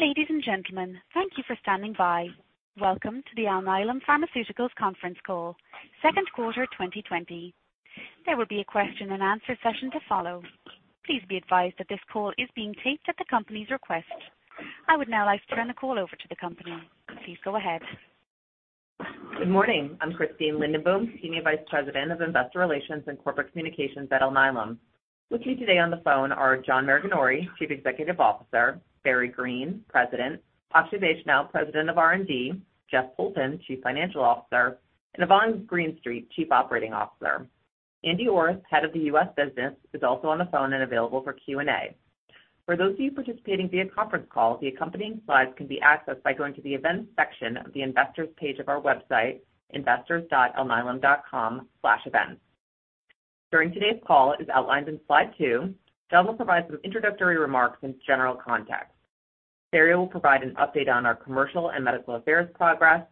Ladies and gentlemen, thank you for standing by. Welcome to the Alnylam Pharmaceuticals Conference Call, Second Quarter 2020. There will be a question and answer session to follow. Please be advised that this call is being taped at the company's request. I would now like to turn the call over to the company. Please go ahead. Good morning. I'm Christine Lindenboom, Senior Vice President of Investor Relations and Corporate Communications at Alnylam. With me today on the phone are John Maraganore, Chief Executive Officer, Barry Greene, President, Akshay Vaishnaw, President of R&D, Jeff Poulton, Chief Financial Officer, and Yvonne Greenstreet, Chief Operating Officer. Andy Orth, Head of the U.S. Business, is also on the phone and available for Q&A. For those of you participating via conference call, the accompanying slides can be accessed by going to the Events section of the Investors page of our website, investors.alnylam.com/events. During today's call, as outlined in slide two, John will provide some introductory remarks and general context. Barry will provide an update on our commercial and medical affairs progress.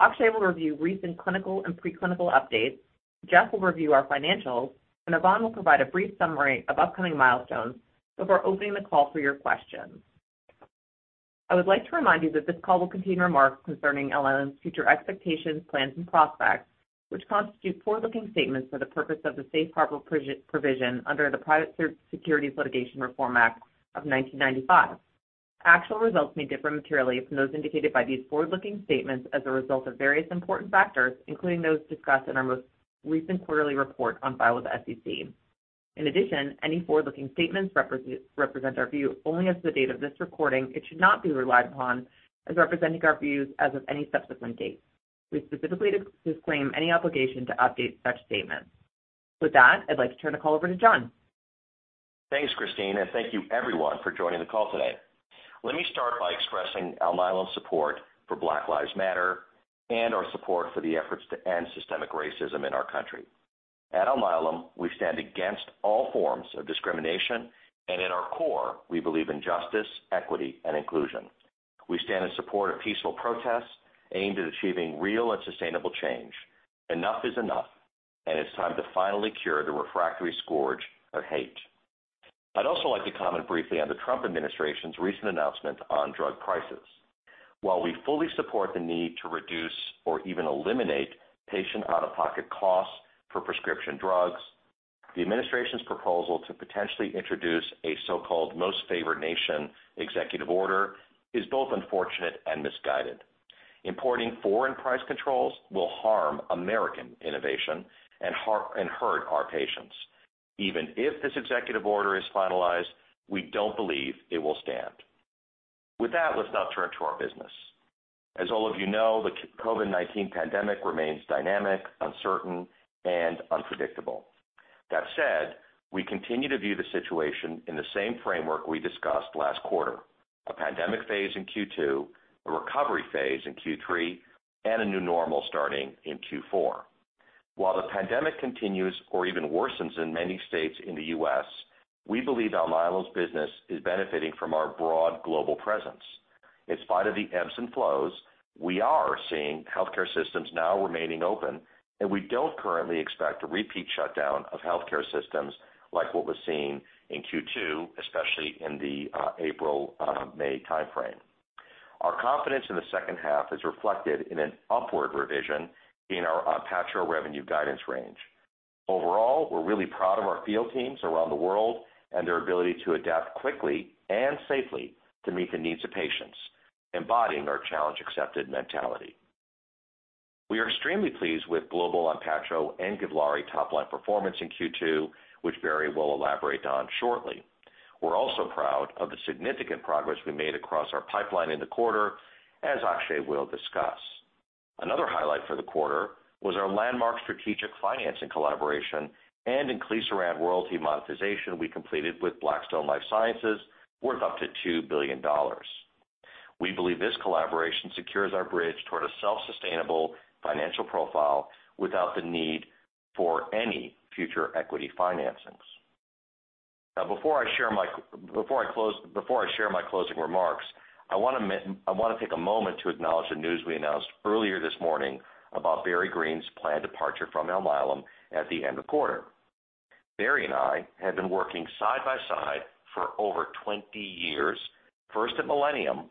Akshay will review recent clinical and preclinical updates. Jeff will review our financials, and Yvonne will provide a brief summary of upcoming milestones before opening the call for your questions. I would like to remind you that this call will contain remarks concerning Alnylam's future expectations, plans, and prospects, which constitute forward-looking statements for the purpose of the Safe Harbor Provision under the Private Securities Litigation Reform Act of 1995. Actual results may differ materially from those indicated by these forward-looking statements as a result of various important factors, including those discussed in our most recent quarterly report on file with the SEC. In addition, any forward-looking statements represent our view only as of the date of this recording. It should not be relied upon as representing our views as of any subsequent date. We specifically disclaim any obligation to update such statements. With that, I'd like to turn the call over to John. Thanks, Christine, and thank you, everyone, for joining the call today. Let me start by expressing Alnylam's support for Black Lives Matter and our support for the efforts to end systemic racism in our country. At Alnylam, we stand against all forms of discrimination, and in our core, we believe in justice, equity, and inclusion. We stand in support of peaceful protests aimed at achieving real and sustainable change. Enough is enough, and it's time to finally cure the refractory scourge of hate. I'd also like to comment briefly on the Trump administration's recent announcement on drug prices. While we fully support the need to reduce or even eliminate patient out-of-pocket costs for prescription drugs, the administration's proposal to potentially introduce a so-called most favored nation executive order is both unfortunate and misguided. Importing foreign price controls will harm American innovation and hurt our patients. Even if this executive order is finalized, we don't believe it will stand. With that, let's now turn to our business. As all of you know, the COVID-19 pandemic remains dynamic, uncertain, and unpredictable. That said, we continue to view the situation in the same framework we discussed last quarter: a pandemic phase in Q2, a recovery phase in Q3, and a new normal starting in Q4. While the pandemic continues or even worsens in many states in the U.S., we believe Alnylam's business is benefiting from our broad global presence. In spite of the ebbs and flows, we are seeing healthcare systems now remaining open, and we don't currently expect a repeat shutdown of healthcare systems like what was seen in Q2, especially in the April-May timeframe. Our confidence in the second half is reflected in an upward revision in our patisiran revenue guidance range. Overall, we're really proud of our field teams around the world and their ability to adapt quickly and safely to meet the needs of patients, embodying our challenge-accepted mentality. We are extremely pleased with global Onpattro and Givlaari top-line performance in Q2, which Barry will elaborate on shortly. We're also proud of the significant progress we made across our pipeline in the quarter, as Akshay will discuss. Another highlight for the quarter was our landmark strategic financing collaboration and arrangement around royalty monetization we completed with Blackstone Life Sciences, worth up to $2 billion. We believe this collaboration secures our bridge toward a self-sustainable financial profile without the need for any future equity financings. Now, before I share my closing remarks, I want to take a moment to acknowledge the news we announced earlier this morning about Barry Greene's planned departure from Alnylam at the end of the quarter. Barry and I have been working side by side for over 20 years, first at Millennium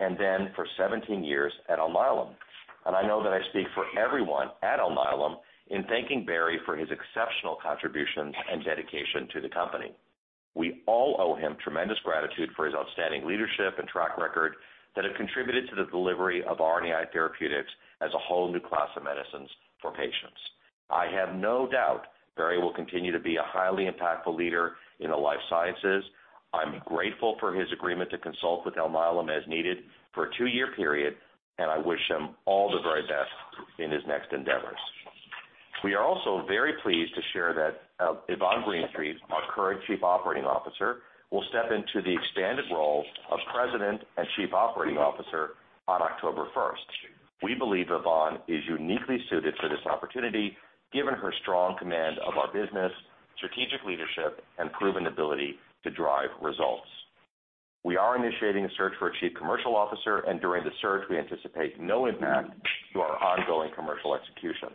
and then for 17 years at Alnylam, and I know that I speak for everyone at Alnylam in thanking Barry for his exceptional contributions and dedication to the company. We all owe him tremendous gratitude for his outstanding leadership and track record that have contributed to the delivery of RNAi therapeutics as a whole new class of medicines for patients. I have no doubt Barry will continue to be a highly impactful leader in the life sciences. I'm grateful for his agreement to consult with Alnylam as needed for a two-year period, and I wish him all the very best in his next endeavors. We are also very pleased to share that Yvonne Greenstreet, our current Chief Operating Officer, will step into the expanded role of President and Chief Operating Officer on October 1st. We believe Yvonne is uniquely suited for this opportunity, given her strong command of our business, strategic leadership, and proven ability to drive results. We are initiating a search for a Chief Commercial Officer, and during the search, we anticipate no impact to our ongoing commercial execution.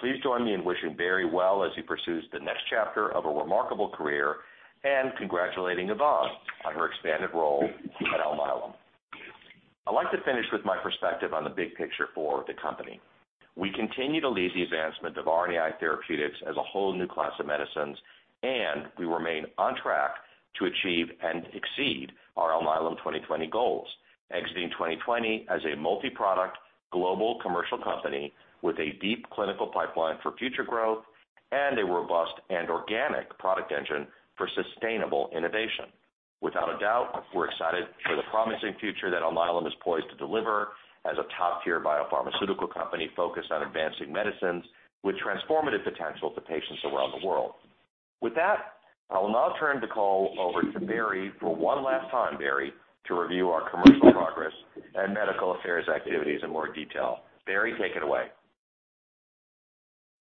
Please join me in wishing Barry well as he pursues the next chapter of a remarkable career and congratulating Yvonne on her expanded role at Alnylam. I'd like to finish with my perspective on the big picture for the company. We continue to lead the advancement of RNAi therapeutics as a whole new class of medicines, and we remain on track to achieve and exceed our Alnylam 2020 goals, exiting 2020 as a multi-product global commercial company with a deep clinical pipeline for future growth and a robust and organic product engine for sustainable innovation. Without a doubt, we're excited for the promising future that Alnylam is poised to deliver as a top-tier biopharmaceutical company focused on advancing medicines with transformative potential for patients around the world. With that, I will now turn the call over to Barry for one last time, Barry, to review our commercial progress and medical affairs activities in more detail. Barry, take it away.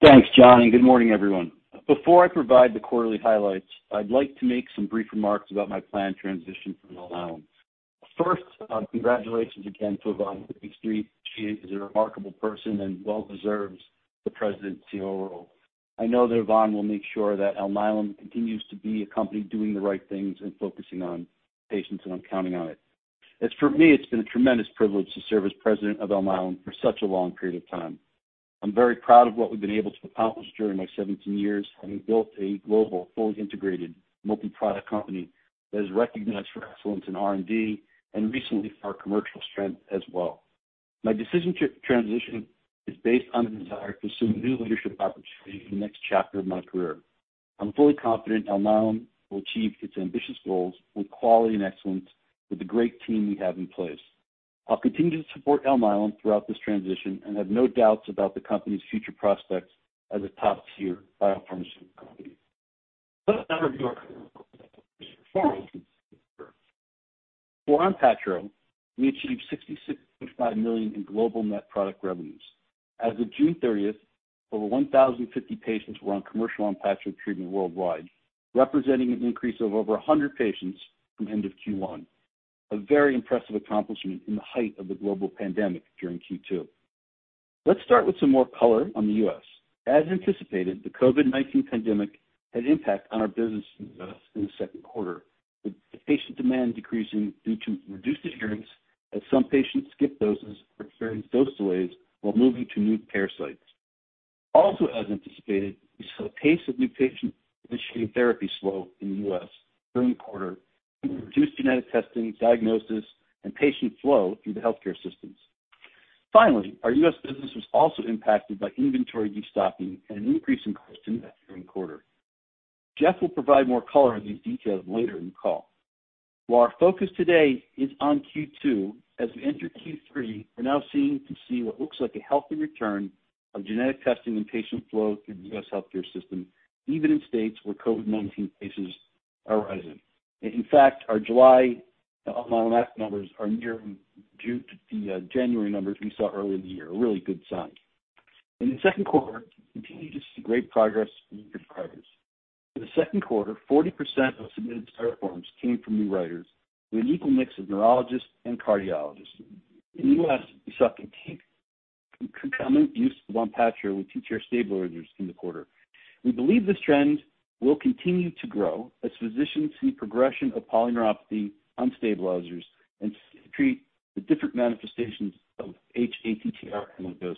Thanks, John, and good morning, everyone. Before I provide the quarterly highlights, I'd like to make some brief remarks about my planned transition from Alnylam. First, congratulations again to Yvonne Greenstreet. She is a remarkable person and well deserves the President and CEO role. I know that Yvonne will make sure that Alnylam continues to be a company doing the right things and focusing on patients and counting on it. As for me, it's been a tremendous privilege to serve as President of Alnylam for such a long period of time. I'm very proud of what we've been able to accomplish during my 17 years, having built a global, fully integrated multi-product company that is recognized for excellence in R&D and recently for our commercial strength as well. My decision to transition is based on the desire to pursue new leadership opportunities in the next chapter of my career. I'm fully confident Alnylam will achieve its ambitious goals with quality and excellence with the great team we have in place. I'll continue to support Alnylam throughout this transition and have no doubts about the company's future prospects as a top-tier biopharmaceutical company. For Onpattro, we achieved $66.5 million in global net product revenues. As of June 30th, over 1,050 patients were on commercial Onpattro treatment worldwide, representing an increase of over 100 patients from end of Q1. A very impressive accomplishment in the height of the global pandemic during Q2. Let's start with some more color on the US. As anticipated, the COVID-19 pandemic had an impact on our business in the second quarter, with patient demand decreasing due to reduced adherence, as some patients skipped doses or experienced dose delays while moving to new care sites. Also, as anticipated, we saw a pace of new patient initiating therapy slow in the U.S. during the quarter, reduced genetic testing, diagnosis, and patient flow through the healthcare systems. Finally, our U.S. business was also impacted by inventory restocking and an increase in costs during the quarter. Jeff will provide more color on these details later in the call. While our focus today is on Q2, as we enter Q3, we're now seeing what looks like a healthy return of genetic testing and patient flow through the U.S. healthcare system, even in states where COVID-19 cases are rising. In fact, our July Alnylam numbers are nearing the January numbers we saw earlier in the year. A really good sign. In the second quarter, we continue to see great progress in new prescribers. In the second quarter, 40% of submitted start forms came from new prescribers, with an equal mix of neurologists and cardiologists. In the U.S., we saw continued use of Onpattro with TTR stabilizers in the quarter. We believe this trend will continue to grow as physicians see progression of polyneuropathy on stabilizers and treat the different manifestations of hATTR amyloidosis.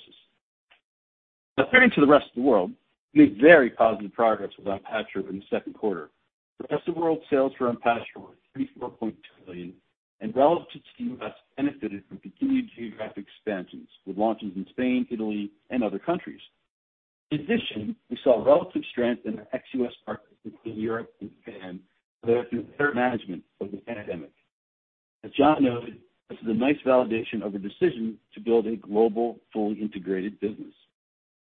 Comparing to the rest of the world, we made very positive progress with Onpattro in the second quarter. The rest of the world's sales for Onpattro were $34.2 million, and relative to the U.S., benefited from continued geographic expansions with launches in Spain, Italy, and other countries. In addition, we saw relative strength in our ex-U.S. partners, including Europe and Japan, after their management of the pandemic. As John noted, this is a nice validation of a decision to build a global, fully integrated business.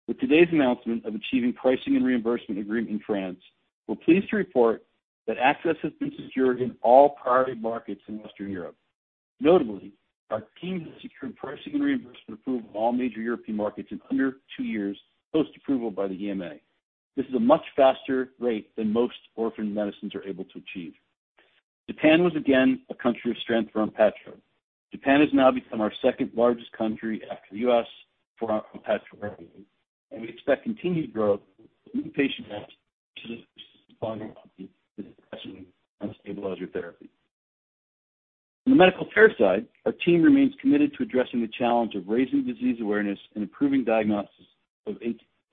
With today's announcement of achieving pricing and reimbursement agreement in France, we're pleased to report that access has been secured in all priority markets in Western Europe. Notably, our team has secured pricing and reimbursement approval in all major European markets in under two years post-approval by the EMA. This is a much faster rate than most orphaned medicines are able to achieve. Japan was again a country of strength for Onpattro. Japan has now become our second largest country after the US for Onpattro revenue, and we expect continued growth with new patient numbers following Onpattro on stabilizer therapy. On the medical care side, our team remains committed to addressing the challenge of raising disease awareness and improving diagnostics of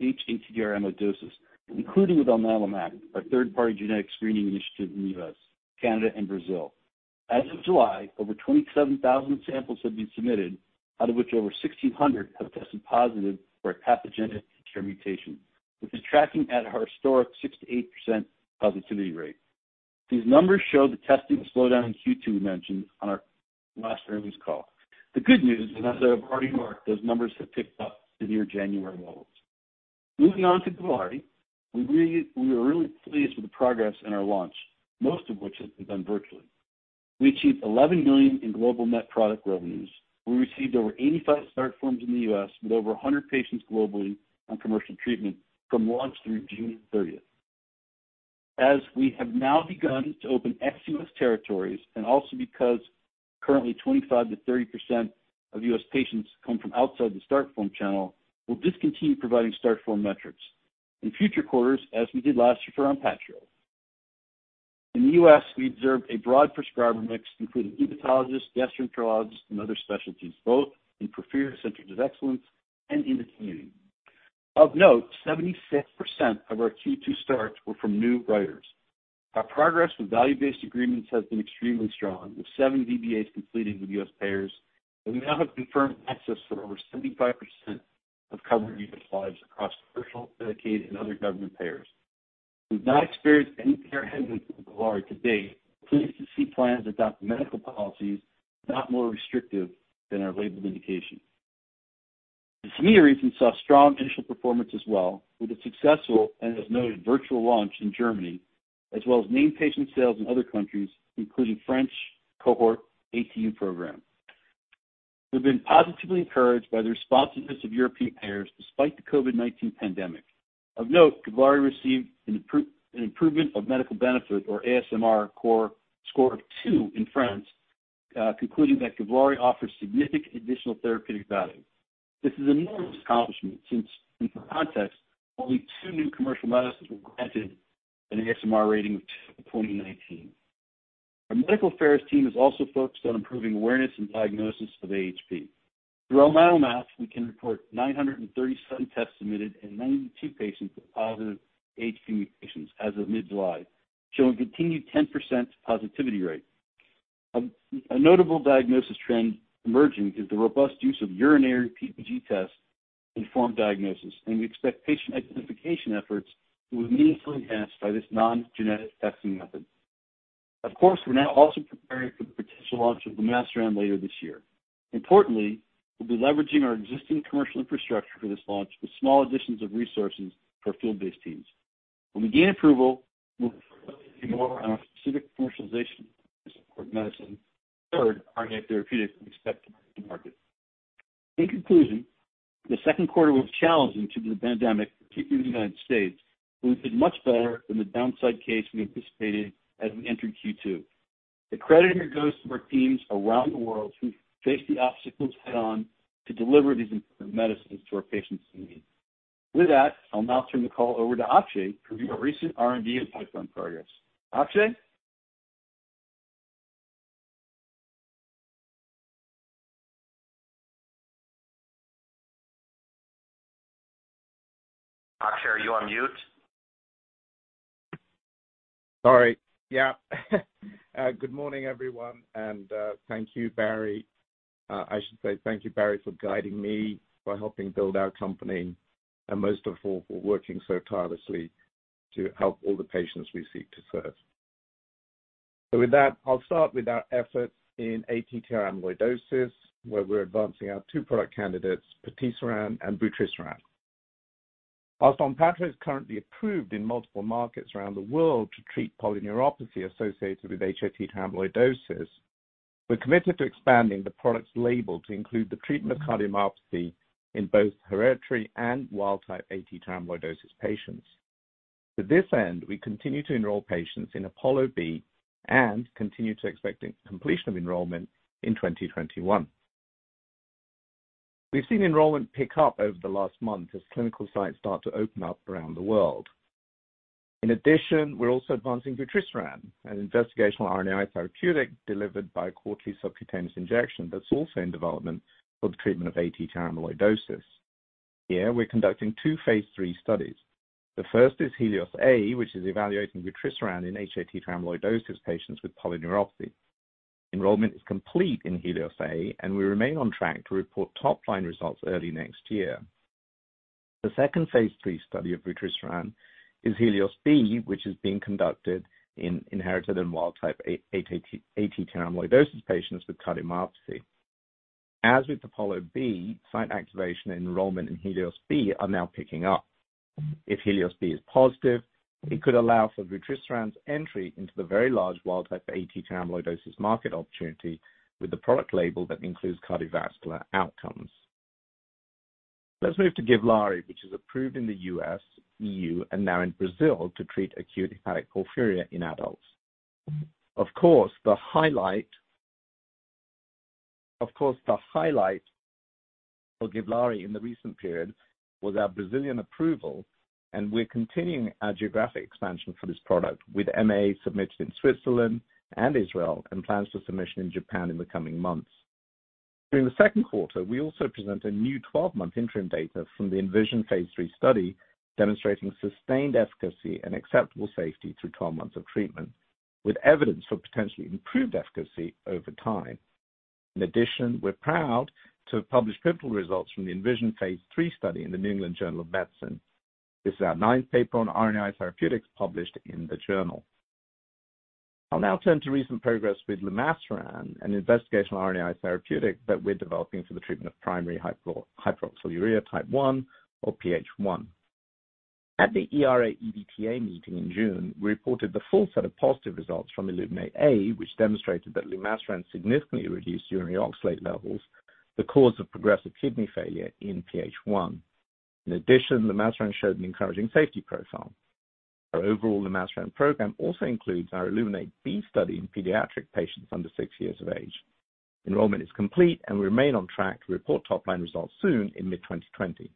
hATTR amyloidosis, including with Alnylam Act, our third-party genetic screening initiative in the US, Canada, and Brazil. As of July, over 27,000 samples have been submitted, out of which over 1,600 have tested positive for a pathogenic mutation, which is tracking at our historic 6%-8% positivity rate. These numbers show the testing slowdown in Q2 we mentioned on our last earnings call. The good news is, as I've already marked, those numbers have picked up to near January levels. Moving on to Givlaari, we were really pleased with the progress in our launch, most of which has been done virtually. We achieved $11 million in global net product revenues. We received over 85 start forms in the US with over 100 patients globally on commercial treatment from launch through June 30th. As we have now begun to open ex-US territories, and also because currently 25%-30% of US patients come from outside the start form channel, we'll discontinue providing start form metrics in future quarters, as we did last year for Onpattro. In the US, we observed a broad prescriber mix, including hematologists, gastroenterologists, and other specialties, both in preferred centers of excellence and in the community. Of note, 76% of our Q2 starts were from new writers. Our progress with value-based agreements has been extremely strong, with seven VBAs completed with US payers, and we now have confirmed access for over 75% of covered unit supplies across commercial, Medicaid, and other government payers. We've not experienced any care hindrance with Givlaari to date. We're pleased to see plans adopt medical policies not more restrictive than our labeled indication. Givlaari recently saw strong initial performance as well, with a successful, and as noted, virtual launch in Germany, as well as named patient sales in other countries, including French cohort ATU program. We've been positively encouraged by the responsiveness of European payers despite the COVID-19 pandemic. Of note, Givlaari received an improvement of medical benefit, or ASMR, score of two in France, concluding that Givlaari offers significant additional therapeutic value. This is an enormous accomplishment since, in context, only two new commercial medicines were granted an ASMR rating of two in 2019. Our medical affairs team is also focused on improving awareness and diagnosis of AHP. Through the Alnylam Act, we can report 937 tests submitted and 92 patients with positive AHP mutations as of mid-July, showing a continued 10% positivity rate. A notable diagnosis trend emerging is the robust use of urinary PBG tests to inform diagnosis, and we expect patient identification efforts to be meaningfully enhanced by this non-genetic testing method. Of course, we're now also preparing for the potential launch of the lumasiran later this year. Importantly, we'll be leveraging our existing commercial infrastructure for this launch with small additions of resources for field-based teams. When we gain approval, we'll focus more on our specific commercialization of Onpattro and Givlaari, and third RNAi therapeutics we expect to market. In conclusion, the second quarter was challenging due to the pandemic, particularly in the United States, but we did much better than the downside case we anticipated as we entered Q2. The credit here goes to our teams around the world who faced the obstacles head-on to deliver these important medicines to our patients in need. With that, I'll now turn the call over to Akshay to review our recent R&D and pipeline progress. Akshay? Akshay, are you on mute? All right. Yeah. Good morning, everyone, and thank you, Barry. I should say thank you, Barry, for guiding me, for helping build our company, and most of all, for working so tirelessly to help all the patients we seek to serve. So with that, I'll start with our efforts in ATTR amyloidosis, where we're advancing our two product candidates, patisiran and vutrisiran. While Onpattro is currently approved in multiple markets around the world to treat polyneuropathy associated with hATTR amyloidosis, we're committed to expanding the product's label to include the treatment of cardiomyopathy in both hereditary and wild-type ATTR amyloidosis patients. To this end, we continue to enroll patients in APOLLO-B and continue to expect completion of enrollment in 2021. We've seen enrollment pick up over the last month as clinical sites start to open up around the world. In addition, we're also advancing vutrisiran, an investigational RNAi therapeutic delivered by a quarterly subcutaneous injection that's also in development for the treatment of ATTR amyloidosis. Here, we're conducting two phase III studies. The first is HELIOS-A, which is evaluating vutrisiran in hATTR amyloidosis patients with polyneuropathy. Enrollment is complete in HELIOS-A, and we remain on track to report top-line results early next year. The second phase III study of vutrisiran is Helios B, which is being conducted in inherited and wild-type ATTR amyloidosis patients with cardiomyopathy. As with APOLLO-B, site activation and enrollment in Helios B are now picking up. If Helios B is positive, it could allow for vutrisiran entry into the very large wild-type ATTR amyloidosis market opportunity with the product label that includes cardiovascular outcomes. Let's move to Givlaari, which is approved in the U.S., E.U., and now in Brazil to treat acute hepatic porphyria in adults. Of course, the highlight of Givlaari in the recent period was our Brazilian approval, and we're continuing our geographic expansion for this product with MAA submitted in Switzerland and Israel and plans for submission in Japan in the coming months. During the second quarter, we also present a new 12-month interim data from the ENVISION phase III study demonstrating sustained efficacy and acceptable safety through 12 months of treatment, with evidence for potentially improved efficacy over time. In addition, we're proud to have published pivotal results from the ENVISION phase III study in the New England Journal of Medicine. This is our ninth paper on RNAi therapeutics published in the journal. I'll now turn to recent progress with lumasiran, an investigational RNAi therapeutic that we're developing for the treatment of primary hyperoxaluria type 1 or PH1. At the ERA-EDTA meeting in June, we reported the full set of positive results from Illuminate A, which demonstrated that lumasiran significantly reduced urinary oxalate levels, the cause of progressive kidney failure in PH1. In addition, lumasiran showed an encouraging safety profile. Our overall lumasiran program also includes our Illuminate B study in pediatric patients under six years of age. Enrollment is complete, and we remain on track to report top-line results soon in mid-2020.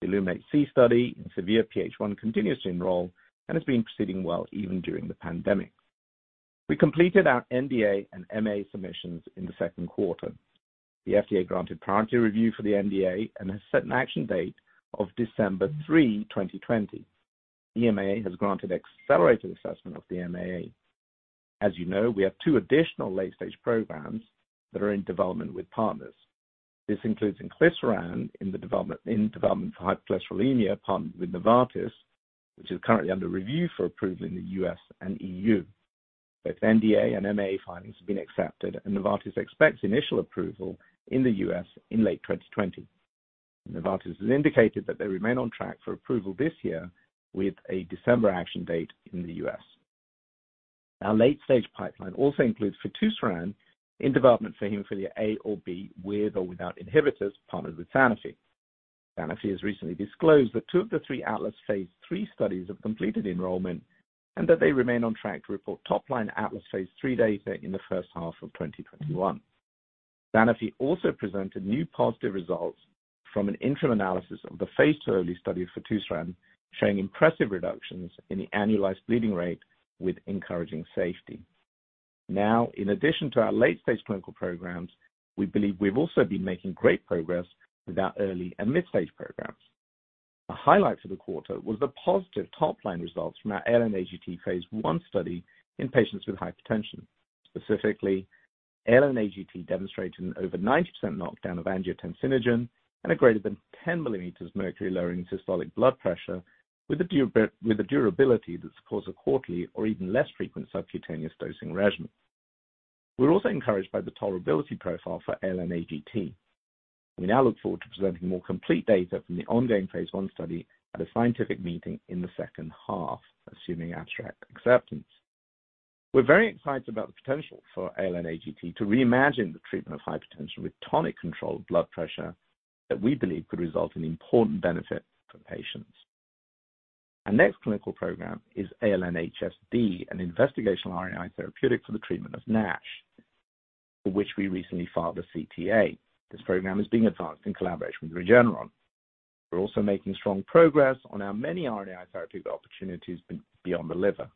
The Illuminate C study in severe PH1 continues to enroll and has been proceeding well even during the pandemic. We completed our NDA and MAA submissions in the second quarter. The FDA granted priority review for the lumasiran and has set an action date of December 3, 2020. EMA has granted accelerated assessment of the MAA. As you know, we have two additional late-stage programs that are in development with partners. This includes inclisaran in the development for hypercholesterolemia partnered with Novartis, which is currently under review for approval in the U.S. and EU. Both NDA and MAA findings have been accepted, and Novartis expects initial approval in the U.S. in late 2020. Novartis has indicated that they remain on track for approval this year with a December action date in the U.S. Our late-stage pipeline also includes fitusiran in development for hemophilia A or B with or without inhibitors partnered with Sanofi. Sanofi has recently disclosed that two of the three Atlas phase III studies have completed enrollment and that they remain on track to report top-line Atlas phase III data in the first half of 2021. Sanofi also presented new positive results from an interim analysis of the phase II OLE study of fitusiran showing impressive reductions in the annualized bleeding rate with encouraging safety. Now, in addition to our late-stage clinical programs, we believe we've also been making great progress with our early and mid-stage programs. A highlight for the quarter was the positive top-line results from our ALN-AGT phase I study in patients with hypertension. Specifically, ALN-AGT demonstrated an over 90% knockdown of angiotensinogen and a greater than 10 mL Hg lowering systolic blood pressure with a durability that's caused a quarterly or even less frequent subcutaneous dosing regimen. We're also encouraged by the tolerability profile for ALN-AGT. We now look forward to presenting more complete data from the ongoing phase I study at a scientific meeting in the second half, assuming abstract acceptance. We're very excited about the potential for ALN-AGT to reimagine the treatment of hypertension with tonic-controlled blood pressure that we believe could result in important benefit for patients. Our next clinical program is ALN-HSD, an investigational RNAi therapeutic for the treatment of NASH, for which we recently filed a CTA. This program is being advanced in collaboration with Regeneron. We're also making strong progress on our many RNAi therapeutic opportunities beyond the liver.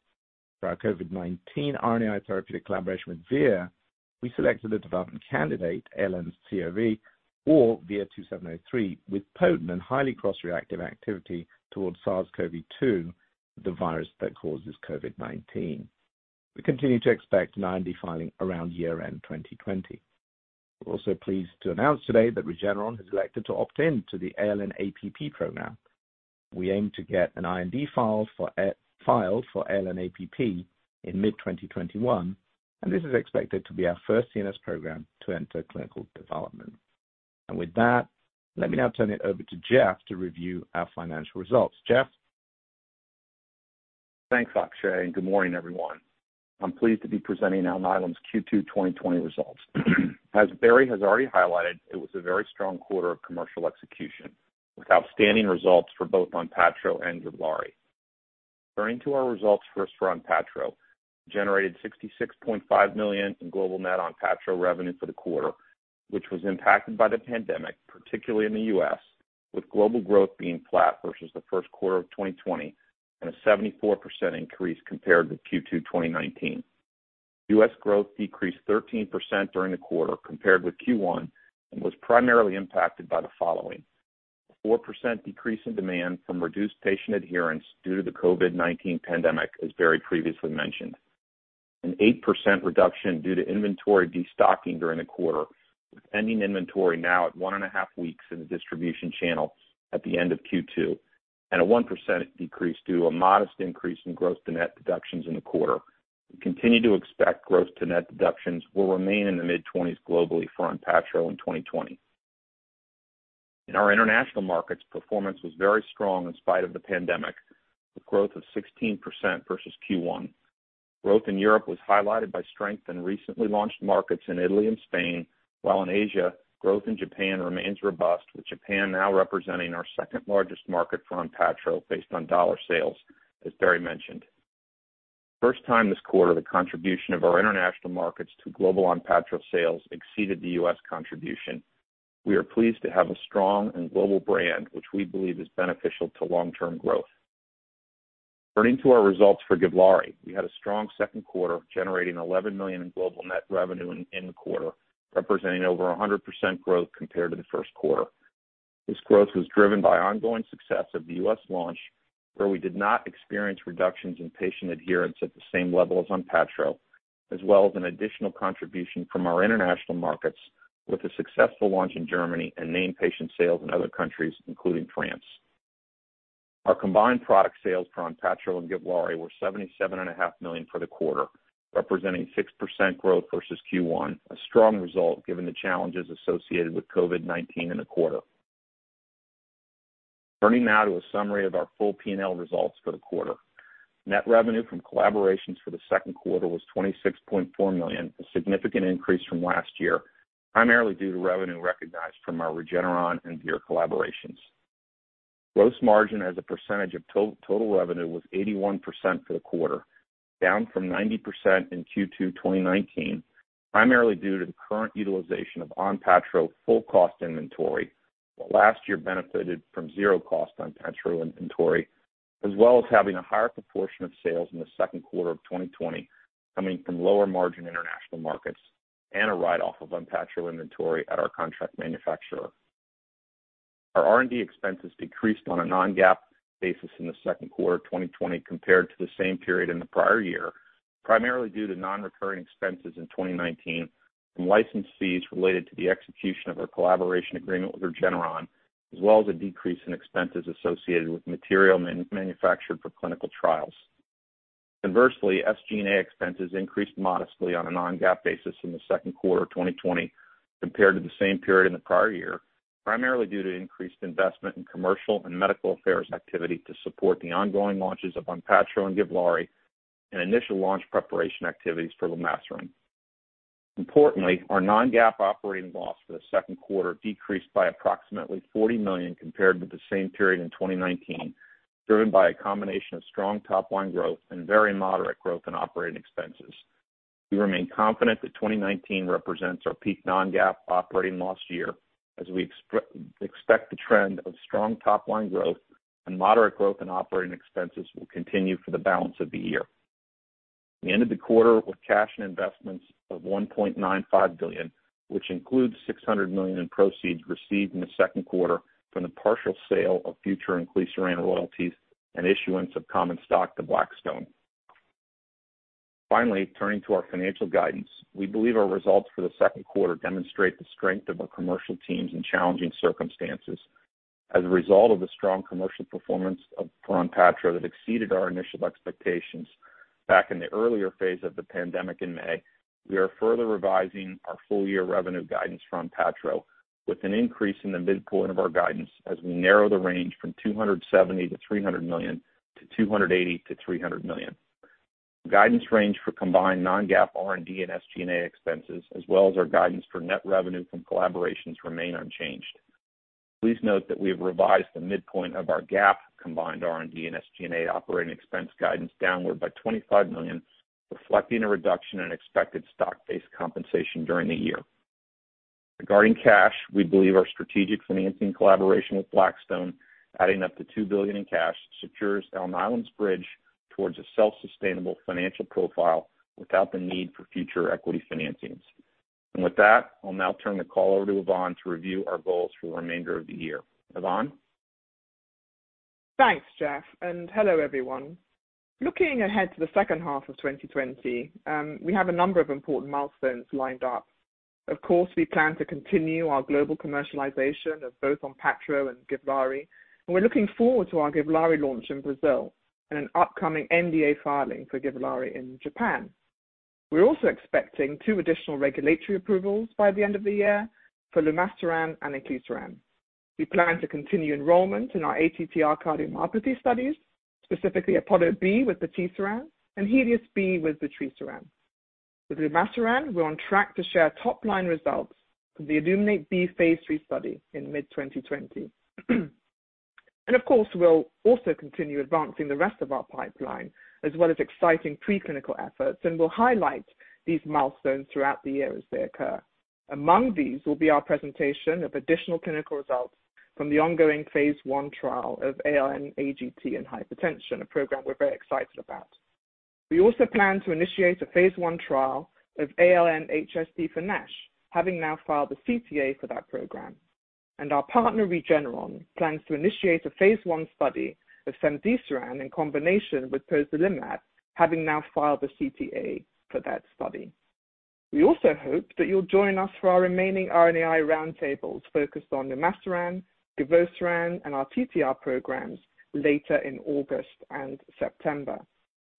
For our COVID-19 RNAi therapeutic collaboration with Vir, we selected a development candidate, ALN-COV or VIR-2703, with potent and highly cross-reactive activity towards SARS-CoV-2, the virus that causes COVID-19. We continue to expect an IND filing around year-end 2020. We're also pleased to announce today that Regeneron has elected to opt in to the ALN-APP program. We aim to get an IND filed for ALN-APP in mid-2021, and this is expected to be our first CNS program to enter clinical development. With that, let me now turn it over to Jeff to review our financial results. Jeff? Thanks, Akshay, and good morning, everyone. I'm pleased to be presenting Alnylam's Q2 2020 results. As Barry has already highlighted, it was a very strong quarter of commercial execution with outstanding results for both Onpattro and Givlaari. Turning to our results first for Onpattro, we generated $66.5 million in global net Onpattro revenue for the quarter, which was impacted by the pandemic, particularly in the U.S., with global growth being flat versus the first quarter of 2020 and a 74% increase compared with Q2 2019. U.S. growth decreased 13% during the quarter compared with Q1 and was primarily impacted by the following: a 4% decrease in demand from reduced patient adherence due to the COVID-19 pandemic, as Barry previously mentioned. An 8% reduction due to inventory destocking during the quarter, with ending inventory now at one and a half weeks in the distribution channel at the end of Q2. And a 1% decrease due to a modest increase in gross-to-net deductions in the quarter. We continue to expect gross-to-net deductions will remain in the mid-20s globally for Onpattro in 2020. In our international markets, performance was very strong in spite of the pandemic, with growth of 16% versus Q1. Growth in Europe was highlighted by strength in recently launched markets in Italy and Spain, while in Asia, growth in Japan remains robust, with Japan now representing our second-largest market for Onpattro based on dollar sales, as Barry mentioned. First time this quarter, the contribution of our international markets to global Onpattro sales exceeded the U.S. contribution. We are pleased to have a strong and global brand, which we believe is beneficial to long-term growth. Turning to our results for Givlaari, we had a strong second quarter, generating $11 million in global net revenue in the quarter, representing over 100% growth compared to the first quarter. This growth was driven by ongoing success of the U.S. launch, where we did not experience reductions in patient adherence at the same level as Onpattro, as well as an additional contribution from our international markets with a successful launch in Germany and named patient sales in other countries, including France. Our combined product sales for Onpattro and Givlaari were $77.5 million for the quarter, representing 6% growth versus Q1, a strong result given the challenges associated with COVID-19 in the quarter. Turning now to a summary of our full P&L results for the quarter. Net revenue from collaborations for the second quarter was $26.4 million, a significant increase from last year, primarily due to revenue recognized from our Regeneron and Vir collaborations. Gross margin as a percentage of total revenue was 81% for the quarter, down from 90% in Q2 2019, primarily due to the current utilization of Onpattro full cost inventory, while last year benefited from zero cost Onpattro inventory, as well as having a higher proportion of sales in the second quarter of 2020 coming from lower margin international markets and a write-off of Onpattro inventory at our contract manufacturer. Our R&D expenses decreased on a non-GAAP basis in the second quarter of 2020 compared to the same period in the prior year, primarily due to non-recurring expenses in 2019 from license fees related to the execution of our collaboration agreement with Regeneron, as well as a decrease in expenses associated with material manufactured for clinical trials. Conversely, SG&A expenses increased modestly on a non-GAAP basis in the second quarter of 2020 compared to the same period in the prior year, primarily due to increased investment in commercial and medical affairs activity to support the ongoing launches of Onpattro and Givlaari and initial launch preparation activities for lumasiran. Importantly, our non-GAAP operating loss for the second quarter decreased by approximately $40 million compared with the same period in 2019, driven by a combination of strong top-line growth and very moderate growth in operating expenses. We remain confident that 2019 represents our peak non-GAAP operating loss year, as we expect the trend of strong top-line growth and moderate growth in operating expenses will continue for the balance of the year. We ended the quarter with cash and investments of $1.95 billion, which includes $600 million in proceeds received in the second quarter from the partial sale of future inclisaran royalties and issuance of common stock to Blackstone. Finally, turning to our financial guidance, we believe our results for the second quarter demonstrate the strength of our commercial teams in challenging circumstances. As a result of the strong commercial performance for Onpattro that exceeded our initial expectations back in the earlier phase of the pandemic in May, we are further revising our full-year revenue guidance for Onpattro with an increase in the midpoint of our guidance as we narrow the range from $270 million-$300 million to $280 million-$300 million. Guidance range for combined non-GAAP R&D and SG&A expenses, as well as our guidance for net revenue from collaborations, remain unchanged. Please note that we have revised the midpoint of our GAAP combined R&D and SG&A operating expense guidance downward by $25 million, reflecting a reduction in expected stock-based compensation during the year. Regarding cash, we believe our strategic financing collaboration with Blackstone, adding up to $2 billion in cash, secures Alnylam's bridge towards a self-sustainable financial profile without the need for future equity financings. And with that, I'll now turn the call over to Yvonne to review our goals for the remainder of the year. Yvonne? Thanks, Jeff, and hello everyone. Looking ahead to the second half of 2020, we have a number of important milestones lined up. Of course, we plan to continue our global commercialization of both Onpattro and Givlaari, and we're looking forward to our Givlaari launch in Brazil and an upcoming NDA filing for Givlaari in Japan. We're also expecting two additional regulatory approvals by the end of the year for lumasiran and inclisaran. We plan to continue enrollment in our ATTR cardiomyopathy studies, specifically APOLLO-B with patisiran and Helios B with vutrisiran. With lumasiran, we're on track to share top-line results from the Illuminate B phase III study in mid-2020. And of course, we'll also continue advancing the rest of our pipeline, as well as exciting preclinical efforts, and we'll highlight these milestones throughout the year as they occur. Among these will be our presentation of additional clinical results from the ongoing phase I trial of ALN-AGT and hypertension, a program we're very excited about. We also plan to initiate a phase I trial of ALN-HSD for NASH, having now filed the CTA for that program, and our partner Regeneron plans to initiate a phase I study of cemdisiran in combination with pozelimab, having now filed the CTA for that study. We also hope that you'll join us for our remaining RNAi roundtables focused on lumasiran, givosiran, and our TTR programs later in August and September.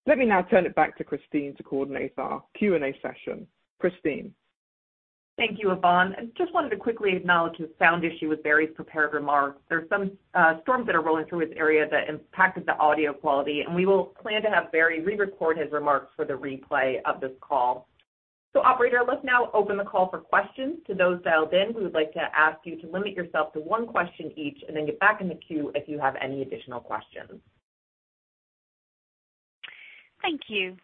Let me now turn it back to Christine to coordinate our Q&A session. Christine. Thank you, Yvonne. I just wanted to quickly acknowledge the sound issue with Barry's prepared remarks. There are some storms that are rolling through his area that impacted the audio quality, and we will plan to have Barry re-record his remarks for the replay of this call. So, operator, let's now open the call for questions. To those dialed in, we would like to ask you to limit yourself to one question each and then get back in the queue if you have any additional questions. Thank you.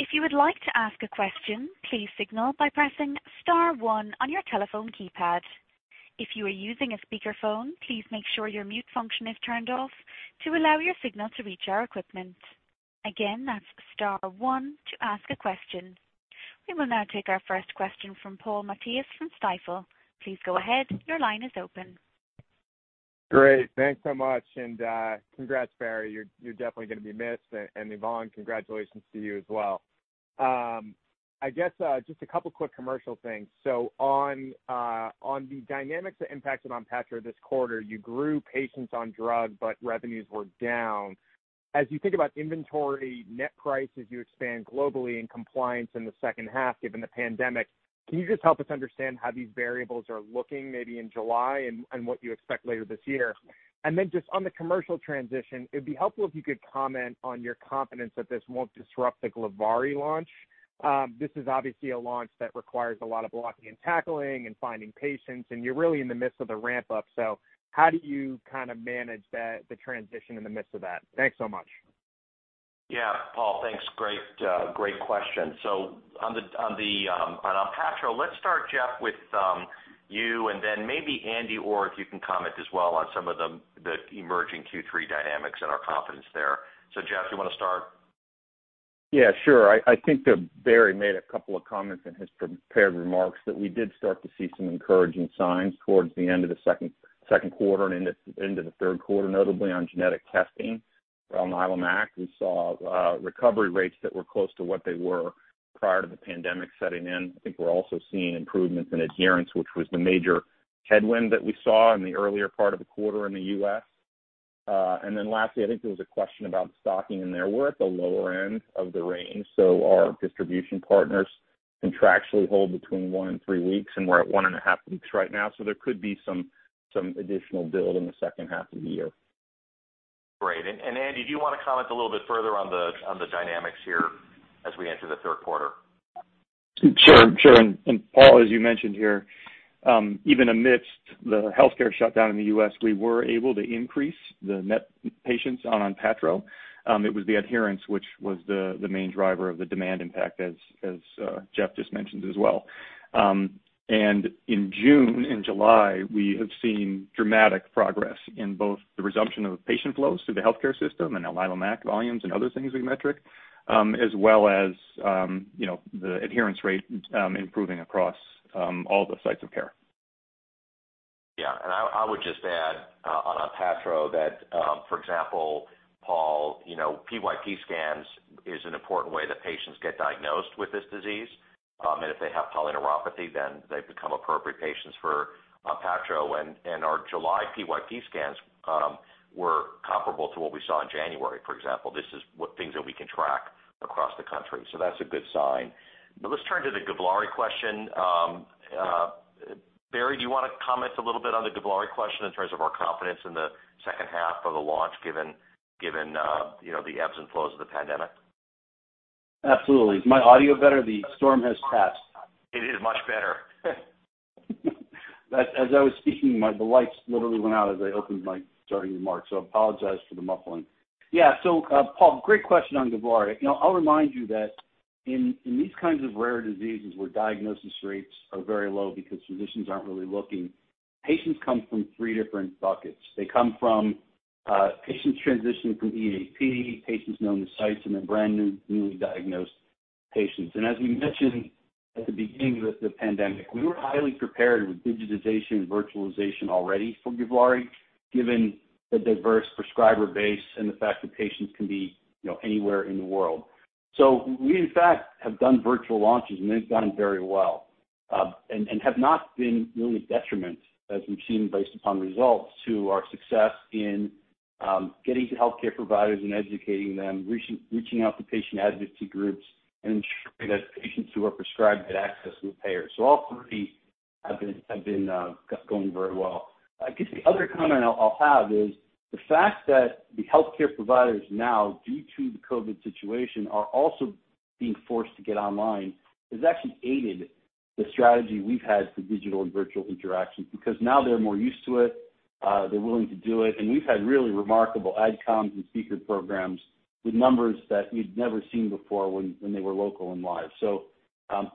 If you would like to ask a question, please signal by pressing star one on your telephone keypad. If you are using a speakerphone, please make sure your mute function is turned off to allow your signal to reach our equipment. Again, that's star one to ask a question. We will now take our first question from Paul Matteis from Stifel. Please go ahead. Your line is open. Great. Thanks so much. And congrats, Barry. You're definitely going to be missed. And Yvonne, congratulations to you as well. I guess just a couple of quick commercial things. So on the dynamics that impacted Onpattro this quarter, you grew patients on drug, but revenues were down. As you think about inventory net prices, you expand globally in compliance in the second half given the pandemic. Can you just help us understand how these variables are looking maybe in July and what you expect later this year? And then just on the commercial transition, it would be helpful if you could comment on your confidence that this won't disrupt the Givlaari launch. This is obviously a launch that requires a lot of blocking and tackling and finding patients, and you're really in the midst of the ramp-up. So how do you kind of manage the transition in the midst of that? Thanks so much. Yeah, Paul, thanks. Great question. So on Onpattro, let's start, Jeff, with you and then maybe Andy or if you can comment as well on some of the emerging Q3 dynamics and our confidence there. So, Jeff, do you want to start? Yeah, sure. I think that Barry made a couple of comments in his prepared remarks that we did start to see some encouraging signs towards the end of the second quarter and into the third quarter, notably on genetic testing for Alnylam Act. We saw recovery rates that were close to what they were prior to the pandemic setting in. I think we're also seeing improvements in adherence, which was the major headwind that we saw in the earlier part of the quarter in the U.S. And then lastly, I think there was a question about stocking in there. We're at the lower end of the range. So our distribution partners contractually hold between one and three weeks, and we're at one and a half weeks right now. So there could be some additional build in the second half of the year. Great. And Andy, do you want to comment a little bit further on the dynamics here as we enter the third quarter? Sure. Sure. And Paul, as you mentioned here, even amidst the healthcare shutdown in the U.S., we were able to increase the net patients on Onpattro. It was the adherence which was the main driver of the demand impact, as Jeff just mentioned as well. And in June and July, we have seen dramatic progress in both the resumption of patient flows to the healthcare system and Alnylam Act volumes and other metrics, as well as the adherence rate improving across all the sites of care. Yeah. And I would just add on Onpattro that, for example, Paul, PYP scans is an important way that patients get diagnosed with this disease. And if they have polyneuropathy, then they become appropriate patients for Onpattro. And our July PYP scans were comparable to what we saw in January, for example. This is things that we can track across the country. So that's a good sign. But let's turn to the Givlaari question. Barry, do you want to comment a little bit on the Givlaari question in terms of our confidence in the second half of the launch given the ebbs and flows of the pandemic? Absolutely. Is my audio better? The storm has passed. It is much better. As I was speaking, the lights literally went out as I opened my starting remark. So I apologize for the muffling. Yeah. So, Paul, great question on Givlaari. I'll remind you that in these kinds of rare diseases, where diagnosis rates are very low because physicians aren't really looking, patients come from three different buckets. They come from patients transitioning from EAP, patients known to sites, and then brand newly diagnosed patients. And as we mentioned at the beginning of the pandemic, we were highly prepared with digitization and virtualization already for Givlaari, given the diverse prescriber base and the fact that patients can be anywhere in the world. So we, in fact, have done virtual launches, and they've done very well and have not been really detrimental, as we've seen based upon results, to our success in getting to healthcare providers and educating them, reaching out to patient advocacy groups, and ensuring that patients who are prescribed get access to the payers. So all three have been going very well. I guess the other comment I'll have is the fact that the healthcare providers now, due to the COVID situation, are also being forced to get online, has actually aided the strategy we've had for digital and virtual interactions because now they're more used to it. They're willing to do it. And we've had really remarkable adcoms and speaker programs with numbers that we'd never seen before when they were local and live.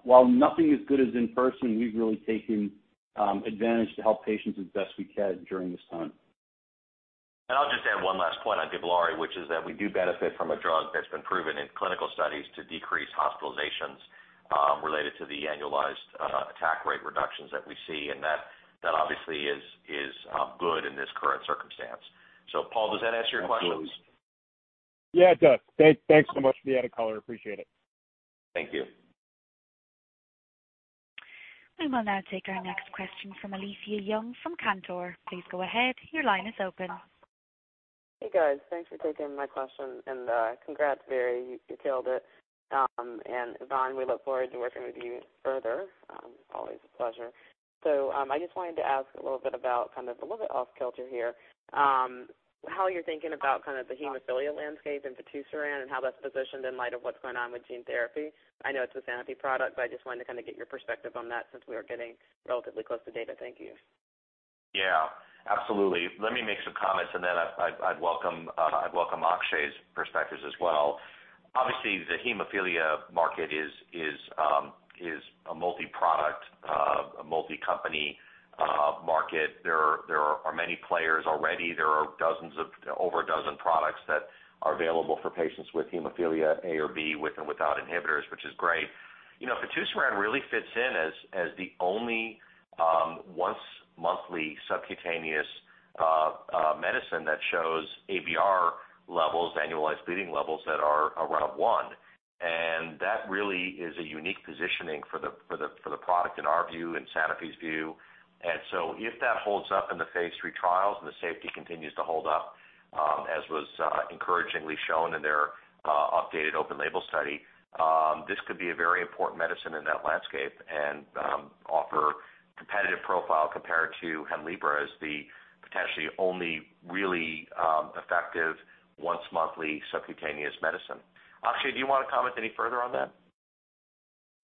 While nothing is as good as in person, we've really taken advantage to help patients as best we can during this time. I'll just add one last point on Givlaari, which is that we do benefit from a drug that's been proven in clinical studies to decrease hospitalizations related to the annualized attack rate reductions that we see. And that obviously is good in this current circumstance. So, Paul, does that answer your question? Absolutely. Yeah, it does. Thanks so much for the color. Appreciate it. Thank you. We will now take our next question from Alethia Young from Cantor. Please go ahead. Your line is open. Hey, guys. Thanks for taking my question. And congrats, Barry. You killed it. And Yvonne, we look forward to working with you further. Always a pleasure. So I just wanted to ask a little bit about kind of off-kilter here, how you're thinking about kind of the hemophilia landscape in fitusiran and how that's positioned in light of what's going on with gene therapy. I know it's a subQ product, but I just wanted to kind of get your perspective on that since we are getting relatively close to data. Thank you. Yeah. Absolutely. Let me make some comments, and then I'd welcome Akshay's perspectives as well. Obviously, the hemophilia market is a multi-product, a multi-company market. There are many players already. There are over a dozen products that are available for patients with hemophilia A or B with and without inhibitors, which is great. fitusiran really fits in as the only once-monthly subcutaneous medicine that shows ABR levels, annualized bleeding levels that are around one. And that really is a unique positioning for the product in our view and Sanofi's view. And so if that holds up in the phase III trials and the safety continues to hold up, as was encouragingly shown in their updated open-label study, this could be a very important medicine in that landscape and offer a competitive profile compared to Hemlibra as the potentially only really effective once-monthly subcutaneous medicine. Akshay, do you want to comment any further on that?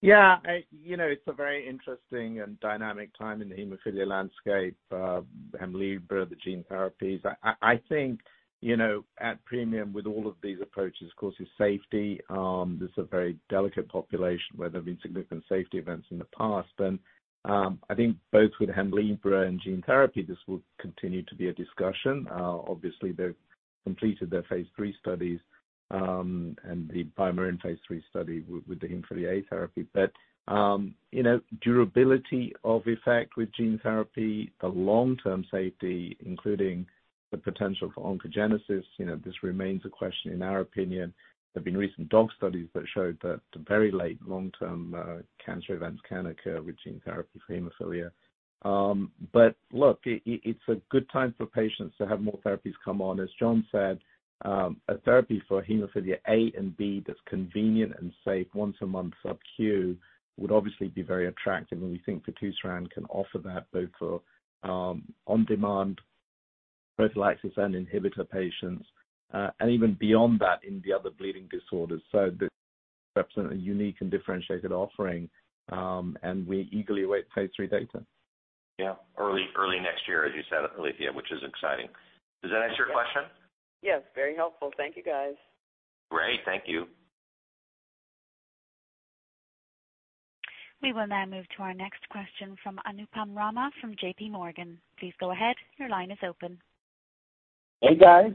Yeah. It's a very interesting and dynamic time in the hemophilia landscape. Hemlibra, the gene therapies, I think at a premium with all of these approaches, of course, is safety. This is a very delicate population where there have been significant safety events in the past. And I think both with Hemlibra and gene therapy, this will continue to be a discussion. Obviously, they've completed their phase III studies and the BioMarin phase III study with the hemophilia A therapy. But durability of effect with gene therapy, the long-term safety, including the potential for oncogenesis, this remains a question in our opinion. There have been recent dog studies that showed that very late long-term cancer events can occur with gene therapy for hemophilia. But look, it's a good time for patients to have more therapies come on. As John said, a therapy for hemophilia A and B that's convenient and safe once a month subcutaneously would obviously be very attractive. And we think fitusiran can offer that both for on-demand prophylaxis and inhibitor patients, and even beyond that in the other bleeding disorders. So this represents a unique and differentiated offering, and we eagerly await phase three data. Yeah. Early next year, as you said, Alethia, which is exciting. Does that answer your question? Yes. Very helpful. Thank you, guys. Great. Thank you. We will now move to our next question from Anupam Rama from JP Morgan. Please go ahead. Your line is open. Hey, guys.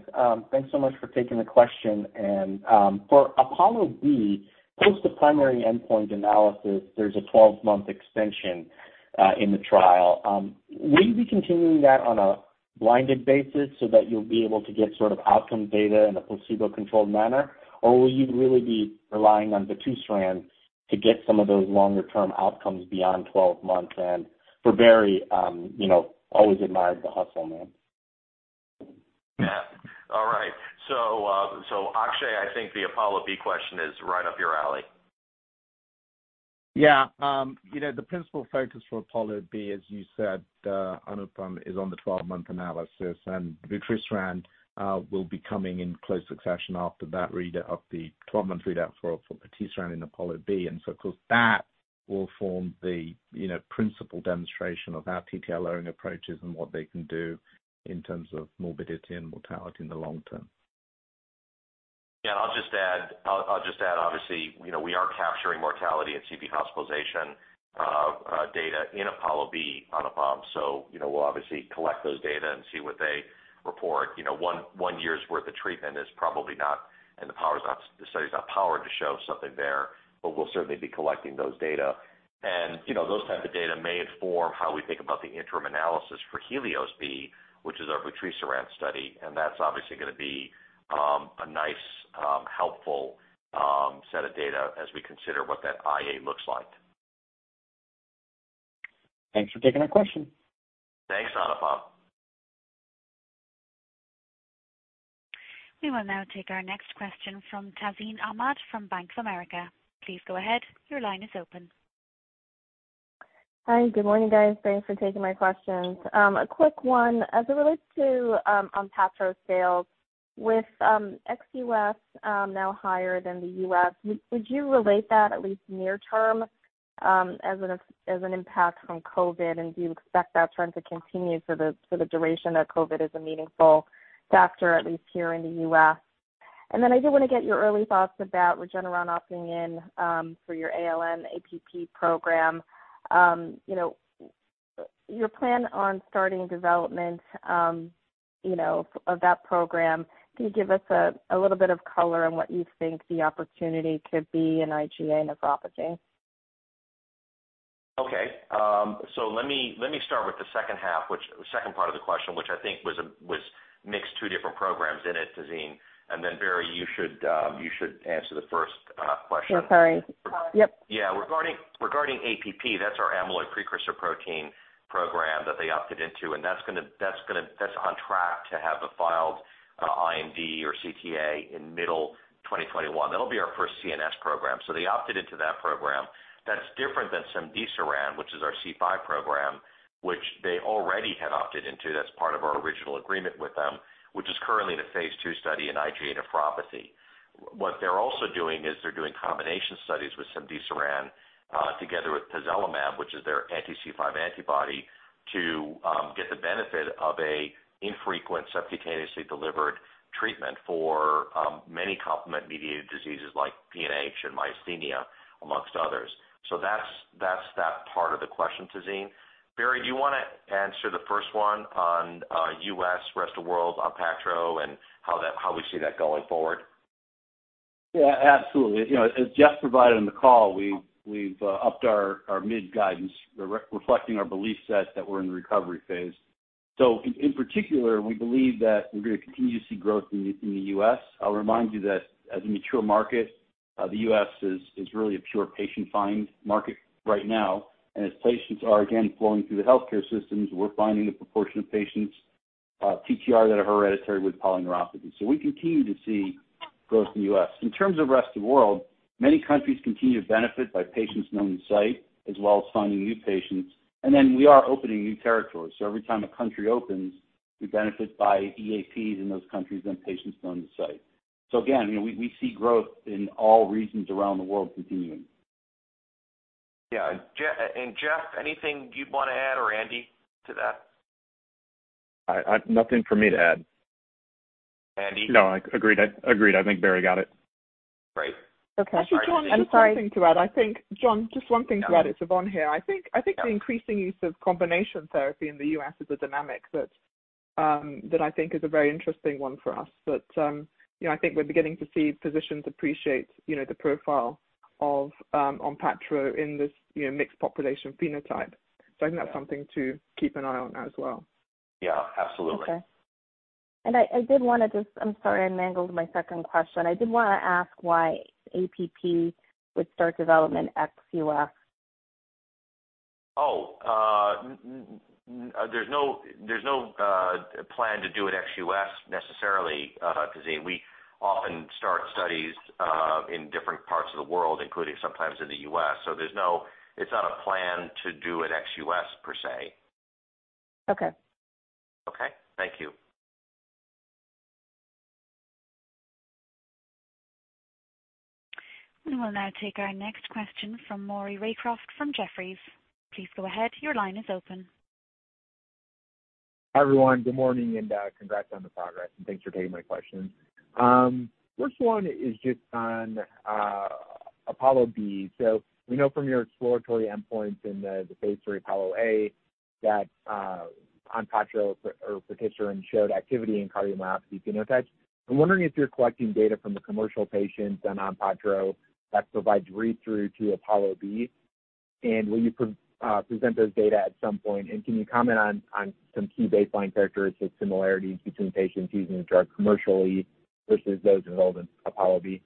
Thanks so much for taking the question. And for APOLLO-B, post the primary endpoint analysis, there's a 12-month extension in the trial. Will you be continuing that on a blinded basis so that you'll be able to get sort of outcome data in a placebo-controlled manner? Or will you really be relying on vutrisiran to get some of those longer-term outcomes beyond 12 months? And for Barry, always admired the hustle, man. Yeah. All right. So Akshay, I think the APOLLO-B question is right up your alley. Yeah. The principal focus for APOLLO-B, as you said, Anupam, is on the 12-month analysis. And vutrisiran will be coming in close succession after that read of the 12-month readout for vutrisiran and APOLLO-B. And so, of course, that will form the principal demonstration of how TTR-lowering approaches and what they can do in terms of morbidity and mortality in the long term. Yeah. And I'll just add, obviously, we are capturing mortality and CV hospitalization data in Apollo-B on patisiran. So we'll obviously collect those data and see what they report. One year's worth of treatment is probably not, and the study is not powered to show something there, but we'll certainly be collecting those data. And those types of data may inform how we think about the interim analysis for Helios B, which is our vutrisiran study. And that's obviously going to be a nice, helpful set of data as we consider what that IA looks like. Thanks for taking our question. Thanks, Anupam. We will now take our next question from Tazeen Ahmad from Bank of America. Please go ahead. Your line is open. Hi. Good morning, guys. Thanks for taking my questions. A quick one as it relates to Onpattro sales. With ex-US now higher than the US, would you attribute that at least near-term to an impact from COVID? And do you expect that trend to continue for the duration that COVID is a meaningful factor, at least here in the US? And then I do want to get your early thoughts about Regeneron opting in for your ALN-APP program. Your plan on starting development of that program, can you give us a little bit of color on what you think the opportunity could be in IgA nephropathy? Okay. So let me start with the second half, the second part of the question, which I think was mixed two different programs in it, Tazeen. And then, Barry, you should answer the first question. I'm sorry. Yep. Yeah. Regarding APP, that's our amyloid precursor protein program that they opted into, and that's on track to have a filed IND or CTA in middle 2021. That'll be our first CNS program, so they opted into that program. That's different than cemdisiran, which is our C5 program, which they already had opted into. That's part of our original agreement with them, which is currently in a phase two study in IgA nephropathy. What they're also doing is they're doing combination studies with cemdisiran together with pozelimab, which is their anti-C5 antibody, to get the benefit of an infrequent subcutaneously delivered treatment for many complement-mediated diseases like PNH and myasthenia, among others. So that's that part of the question, Tazeen. Barry, do you want to answer the first one on US, rest of the world, on Onpattro, and how we see that going forward? Yeah. Absolutely. As Jeff provided in the call, we've upped our mid-guidance, reflecting our belief set that we're in the recovery phase. So in particular, we believe that we're going to continue to see growth in the U.S. I'll remind you that as a mature market, the U.S. is really a pure patient-find market right now. And as patients are, again, flowing through the healthcare systems, we're finding the proportion of patients with TTR that are hereditary with polyneuropathy. So we continue to see growth in the U.S. In terms of rest of the world, many countries continue to benefit from patients known to the site, as well as finding new patients. And then we are opening new territories. So every time a country opens, we benefit from EAPs in those countries and patients known to the site. So again, we see growth in all regions around the world continuing. Yeah, and Jeff, anything you'd want to add or Andy to that? Nothing for me to add. Andy? No. Agreed. Agreed. I think Barry got it. Great. Okay. John, I'm sorry. I think, John, just one thing to add. It's Yvonne here. I think the increasing use of combination therapy in the U.S. is a dynamic that I think is a very interesting one for us. But I think we're beginning to see physicians appreciate the profile of Onpattro in this mixed population phenotype. So I think that's something to keep an eye on as well. Yeah. Absolutely. Okay. And I did want to just, I'm sorry, I mangled my second question. I did want to ask why APP would start development ex-US. Oh. There's no plan to do it ex-US necessarily, Tazeen. We often start studies in different parts of the world, including sometimes in the US. So it's not a plan to do it ex-US per se. Okay. Okay. Thank you. We will now take our next question from Maury Raycroft from Jefferies. Please go ahead. Your line is open. Hi, everyone. Good morning and congrats on the progress, and thanks for taking my questions. First one is just on APOLLO-B. So we know from your exploratory endpoints in the phase III APOLLO-A that Onpattro or vutrisiran showed activity in cardiomyopathy phenotypes. I'm wondering if you're collecting data from the commercial patients on Onpattro that provides read-through to APOLLO-B, and will you present those data at some point, and can you comment on some key baseline characteristics, similarities between patients using the drug commercially versus those enrolled in APOLLO-B?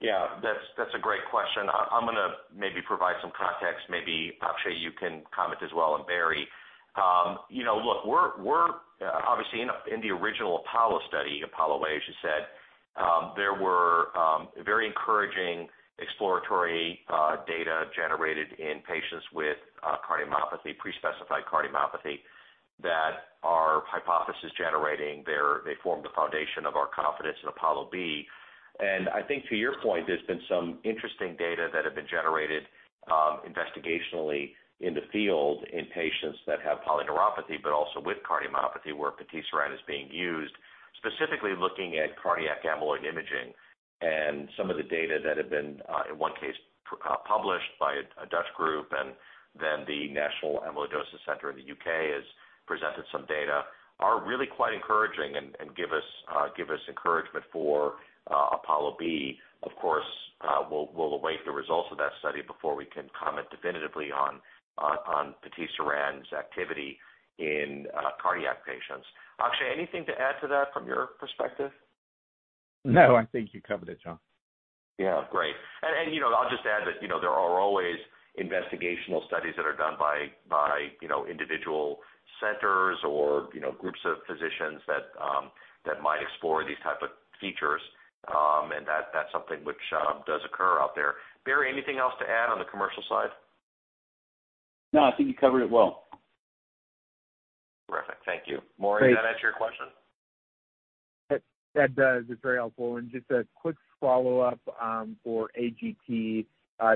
Yeah. That's a great question. I'm going to maybe provide some context. Maybe Akshay, you can comment as well. And Barry, look, we're obviously in the original Apollo study, APOLLO-A, as you said. There were very encouraging exploratory data generated in patients with cardiomyopathy, pre-specified cardiomyopathy that are hypothesis generating. They formed the foundation of our confidence in APOLLO-B. And I think to your point, there's been some interesting data that have been generated investigationally in the field in patients that have polyneuropathy, but also with cardiomyopathy where vutrisiran is being used, specifically looking at cardiac amyloid imaging. And some of the data that have been, in one case, published by a Dutch group, and then the National Amyloidosis Center in the UK has presented some data, are really quite encouraging and give us encouragement for APOLLO-B. Of course, we'll await the results of that study before we can comment definitively on vutrisiran activity in cardiac patients. Akshay, anything to add to that from your perspective? No. I think you covered it, John. Yeah. Great. And I'll just add that there are always investigational studies that are done by individual centers or groups of physicians that might explore these types of features. And that's something which does occur out there. Barry, anything else to add on the commercial side? No. I think you covered it well. Terrific. Thank you. Maury, did that answer your question? That does. It's very helpful. And just a quick follow-up for AGT.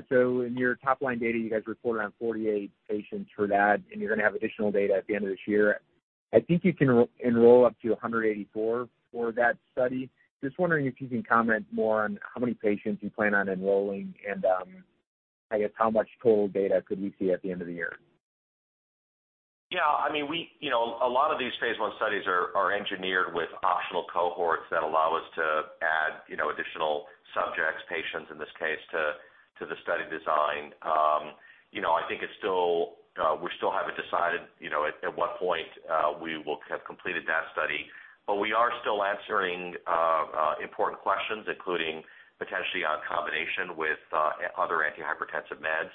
So in your top-line data, you guys reported on 48 patients for that. And you're going to have additional data at the end of this year. I think you can enroll up to 184 for that study. Just wondering if you can comment more on how many patients you plan on enrolling and, I guess, how much total data could we see at the end of the year? Yeah. I mean, a lot of these phase 1 studies are engineered with optional cohorts that allow us to add additional subjects, patients in this case, to the study design. I think we still haven't decided at what point we will have completed that study. But we are still answering important questions, including potentially on combination with other antihypertensive meds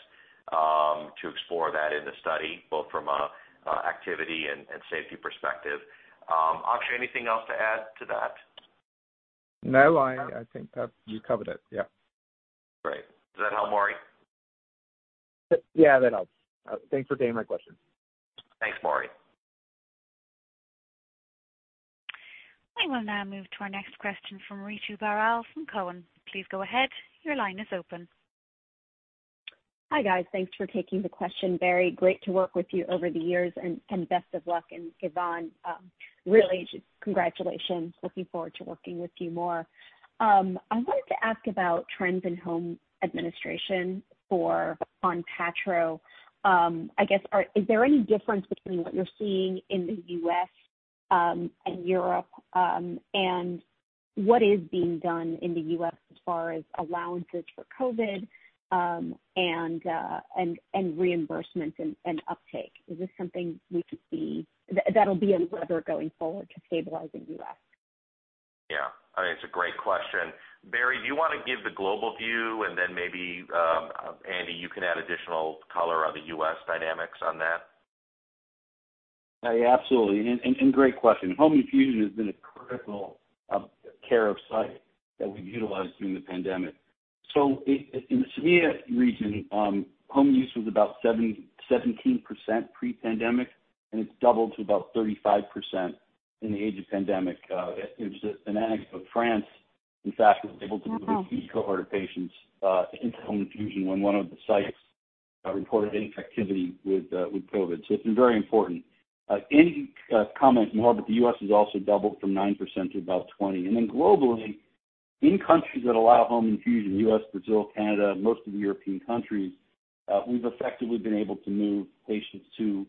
to explore that in the study, both from an activity and safety perspective. Akshay, anything else to add to that? No. I think you covered it. Yeah. Great. Does that help, Maury? Yeah. That helps. Thanks for taking my question. Thanks, Maury. We will now move to our next question from Ritu Baral from Cowen. Please go ahead. Your line is open. Hi, guys. Thanks for taking the question, Barry. Great to work with you over the years. And best of luck. And Yvonne, really, congratulations. Looking forward to working with you more. I wanted to ask about trends in home administration for Onpattro. I guess, is there any difference between what you're seeing in the U.S. and Europe? And what is being done in the U.S. as far as allowances for COVID and reimbursement and uptake? Is this something we could see that'll be a lever going forward to stabilize the U.S.? Yeah. I mean, it's a great question. Barry, do you want to give the global view? And then maybe, Andy, you can add additional color on the US dynamics on that. Absolutely. And great question. Home infusion has been a critical site of care that we've utilized during the pandemic. So in the CEMEA region, home use was about 17% pre-pandemic. And it's doubled to about 35% in the age of pandemic. It was a dynamic for France. In fact, we were able to move a huge cohort of patients into home infusion when one of the sites reported inactivity with COVID. So it's been very important. Any comment, Yvonne? But the U.S. has also doubled from 9% to about 20%. And then globally, in countries that allow home infusion, U.S., Brazil, Canada, most of the European countries, we've effectively been able to move patients to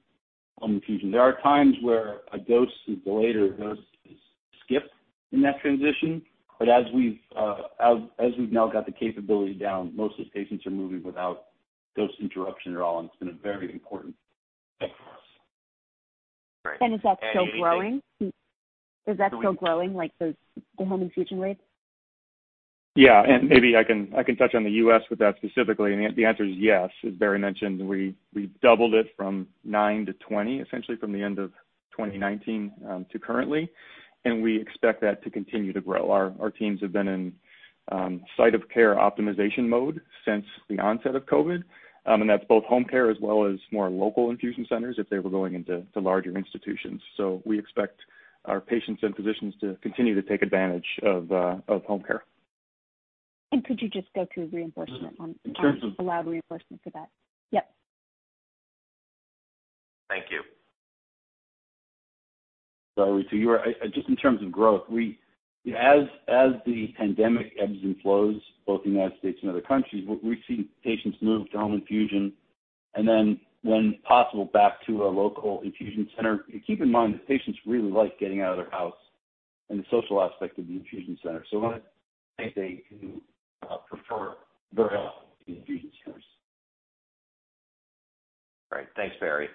home infusion. There are times where a dose is delayed or a dose is skipped in that transition. But as we've now got the capability down, most of the patients are moving without dose interruption at all. And it's been a very important step for us. Is that still growing? Is that still growing, the home infusion rate? Yeah. And maybe I can touch on the U.S. with that specifically. And the answer is yes. As Barry mentioned, we doubled it from nine to 20, essentially, from the end of 2019 to currently. And we expect that to continue to grow. Our teams have been in site of care optimization mode since the onset of COVID. And that's both home care as well as more local infusion centers if they were going into larger institutions. So we expect our patients and physicians to continue to take advantage of home care. Could you just go to reimbursement on Alnylam reimbursement for that? Yep. Thank you. Sorry, Ritu. Just in terms of growth, as the pandemic ebbs and flows, both in the United States and other countries, we've seen patients move to home infusion and then, when possible, back to a local infusion center. Keep in mind that patients really like getting out of their house and the social aspect of the infusion center. So I think they do prefer very often the infusion centers. Great. Thanks, Barry.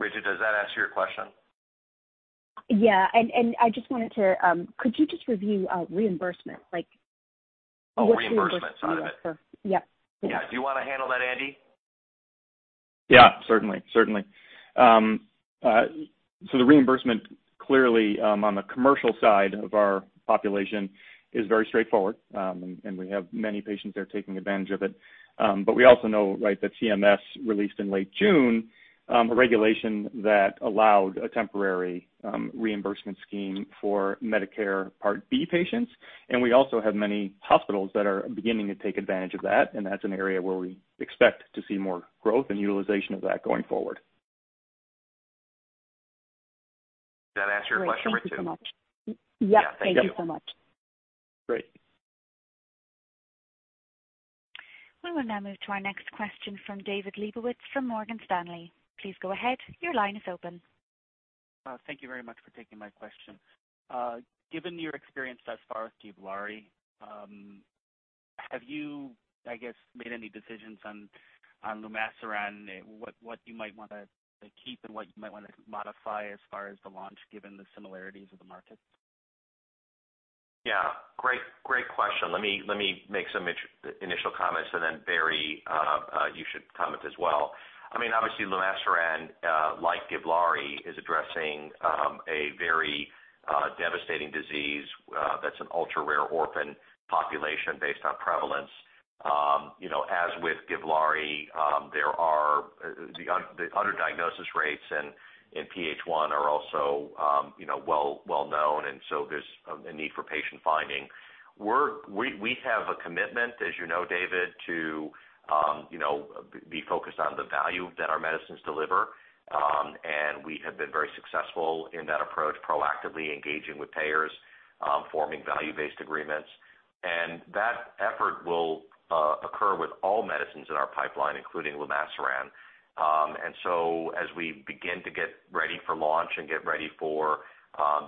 Ritu, does that answer your question? Yeah. And I just wanted to. Could you just review reimbursement? Oh, reimbursement side of it. Yep. Yeah. Do you want to handle that, Andy? Yeah. Certainly. Certainly. So the reimbursement, clearly, on the commercial side of our population is very straightforward. And we have many patients there taking advantage of it. But we also know that CMS released in late June a regulation that allowed a temporary reimbursement scheme for Medicare Part B patients. And we also have many hospitals that are beginning to take advantage of that. And that's an area where we expect to see more growth and utilization of that going forward. Did that answer your question, Ritu? Thank you so much. Yep. Thank you so much. Great. We will now move to our next question from David Lebowitz from Morgan Stanley. Please go ahead. Your line is open. Thank you very much for taking my question. Given your experience thus far with Givlaari, have you, I guess, made any decisions on lumasiran, what you might want to keep and what you might want to modify as far as the launch, given the similarities of the markets? Yeah. Great question. Let me make some initial comments, and then, Barry, you should comment as well. I mean, obviously, lumasiran, like Givlaari, is addressing a very devastating disease that's an ultra-rare orphan population based on prevalence. As with Givlaari, the underdiagnosis rates in PH1 are also well-known, and so there's a need for patient finding. We have a commitment, as you know, David, to be focused on the value that our medicines deliver, and we have been very successful in that approach, proactively engaging with payers, forming value-based agreements, and that effort will occur with all medicines in our pipeline, including lumasiran. And so as we begin to get ready for launch and get ready for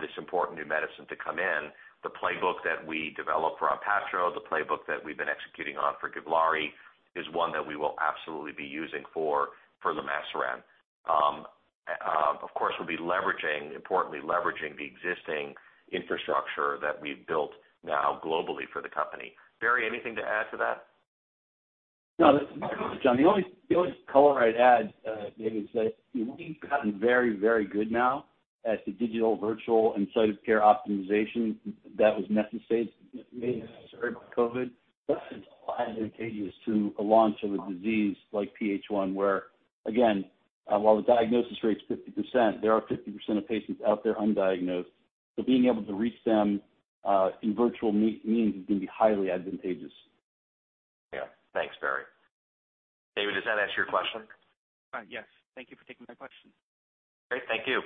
this important new medicine to come in, the playbook that we developed for Onpattro, the playbook that we've been executing on for Givlaari, is one that we will absolutely be using for lumasiran. Of course, we'll be importantly leveraging the existing infrastructure that we've built now globally for the company. Barry, anything to add to that? No, John, the only color I'd add, David, is that we've gotten very, very good now at the digital virtual and site of care optimization that was necessary during COVID. But it's advantageous to launch with a disease like PH1 where, again, while the diagnosis rate's 50%, there are 50% of patients out there undiagnosed. So being able to reach them in virtual means is going to be highly advantageous. Yeah. Thanks, Barry. David, does that answer your question? Yes. Thank you for taking my question. Great. Thank you.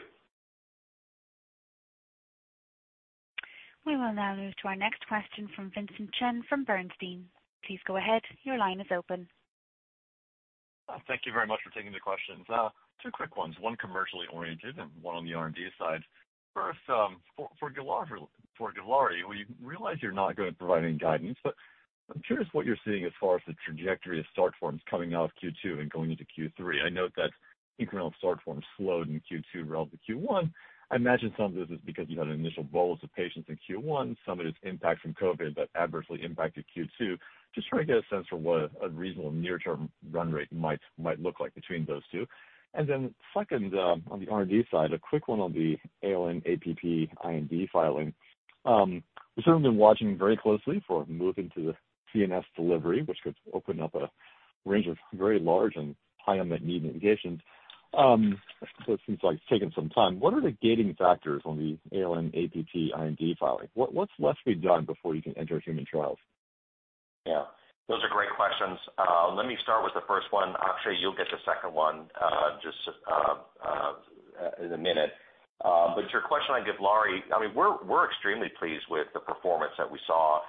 We will now move to our next question from Vincent Chen from Bernstein. Please go ahead. Your line is open. Thank you very much for taking the questions. Two quick ones. One commercially oriented and one on the R&D side. First, for Givlaari, we realize you're not going to provide any guidance. But I'm curious what you're seeing as far as the trajectory of start forms coming out of Q2 and going into Q3. I note that incremental start forms slowed in Q2 relative to Q1. I imagine some of this is because you had initial bullets of patients in Q1. Some of it is impact from COVID that adversely impacted Q2. Just trying to get a sense for what a reasonable near-term run rate might look like between those two. And then second, on the R&D side, a quick one on the ALN-APP IND filing. We've certainly been watching very closely for a move into the CNS delivery, which could open up a range of very large and high-unit need medications. So it seems like it's taken some time. What are the gating factors on the ALN-APP IND filing? What's left to be done before you can enter human trials? Yeah. Those are great questions. Let me start with the first one. Akshay, you'll get the second one just in a minute. But your question on Givlaari, I mean, we're extremely pleased with the performance that we saw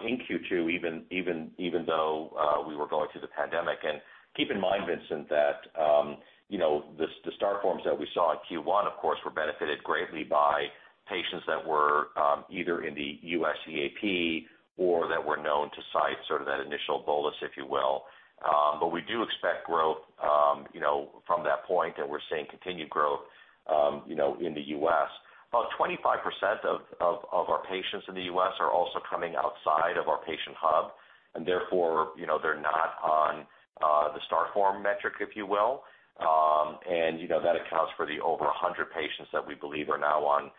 in Q2, even though we were going through the pandemic. And keep in mind, Vincent, that the strong start that we saw in Q1, of course, was benefited greatly by patients that were either in the US EAP or that were known to sites sort of that initial bolus, if you will. But we do expect growth from that point. And we're seeing continued growth in the US. About 25% of our patients in the US are also coming outside of our patient hub. And therefore, they're not on the start form metric, if you will. And that accounts for the over 100 patients that we believe are now on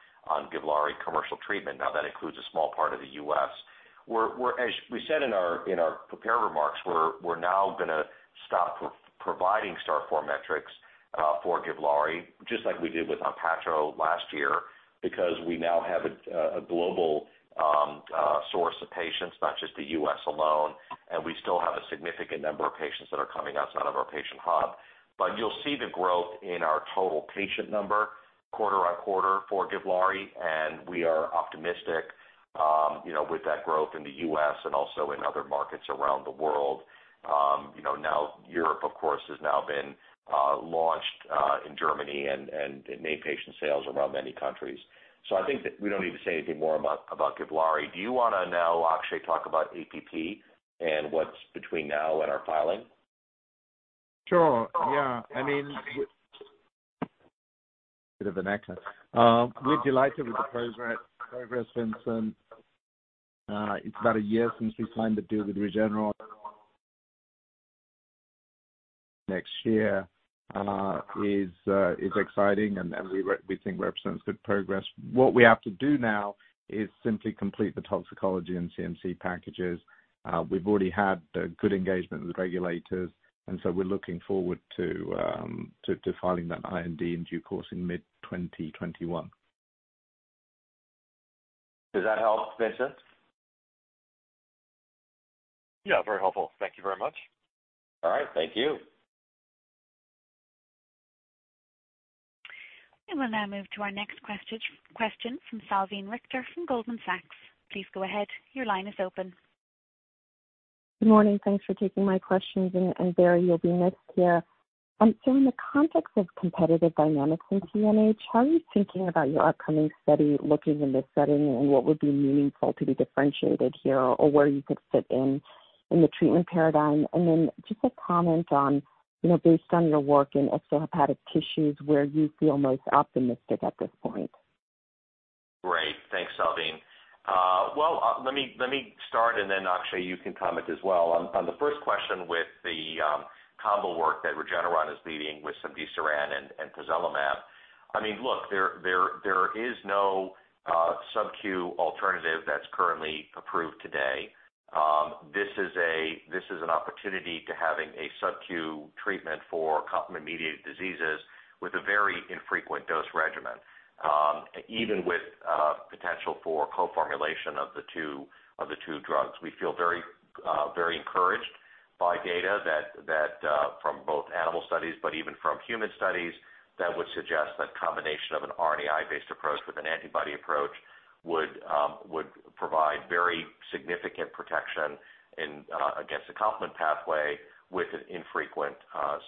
Givlaari commercial treatment. Now, that includes a small part of the US. We said in our prepared remarks, we're now going to stop providing start form metrics for Givlaari, just like we did with Onpattro last year, because we now have a global source of patients, not just the US alone. And we still have a significant number of patients that are coming outside of our patient hub. But you'll see the growth in our total patient number quarter on quarter for Givlaari. And we are optimistic with that growth in the U.S. and also in other markets around the world. Now, Europe, of course, has now been launched in Germany and made patient sales around many countries. So I think that we don't need to say anything more about Givlaari. Do you want to now, Akshay, talk about APP and what's between now and our filing? Sure. Yeah. I mean, a bit of an accent. We're delighted with the progress, Vincent. It's about a year since we signed the deal with Regeneron next year. It's exciting, and we think it represents good progress. What we have to do now is simply complete the toxicology and CMC packages. We've already had good engagement with regulators, and so we're looking forward to filing that IND in due course in mid-2021. Does that help, Vincent? Yeah. Very helpful. Thank you very much. All right. Thank you. We will now move to our next question from Salveen Richter from Goldman Sachs. Please go ahead. Your line is open. Good morning. Thanks for taking my questions. And Barry, you'll be next here. So in the context of competitive dynamics in PNH, how are you thinking about your upcoming study looking in this setting? And what would be meaningful to be differentiated here or where you could fit in the treatment paradigm? And then just a comment on, based on your work in extrahepatic tissues, where you feel most optimistic at this point. Great. Thanks, Salveen. Well, let me start, and then, Akshay, you can comment as well. On the first question with the combo work that Regeneron is leading with some cemdisiran and pozelimab, I mean, look, there is no subQ alternative that's currently approved today. This is an opportunity to have a subQ treatment for complement-mediated diseases with a very infrequent dose regimen, even with potential for co-formulation of the two drugs. We feel very encouraged by data from both animal studies, but even from human studies, that would suggest that combination of an RNAi-based approach with an antibody approach would provide very significant protection against the complement pathway with an infrequent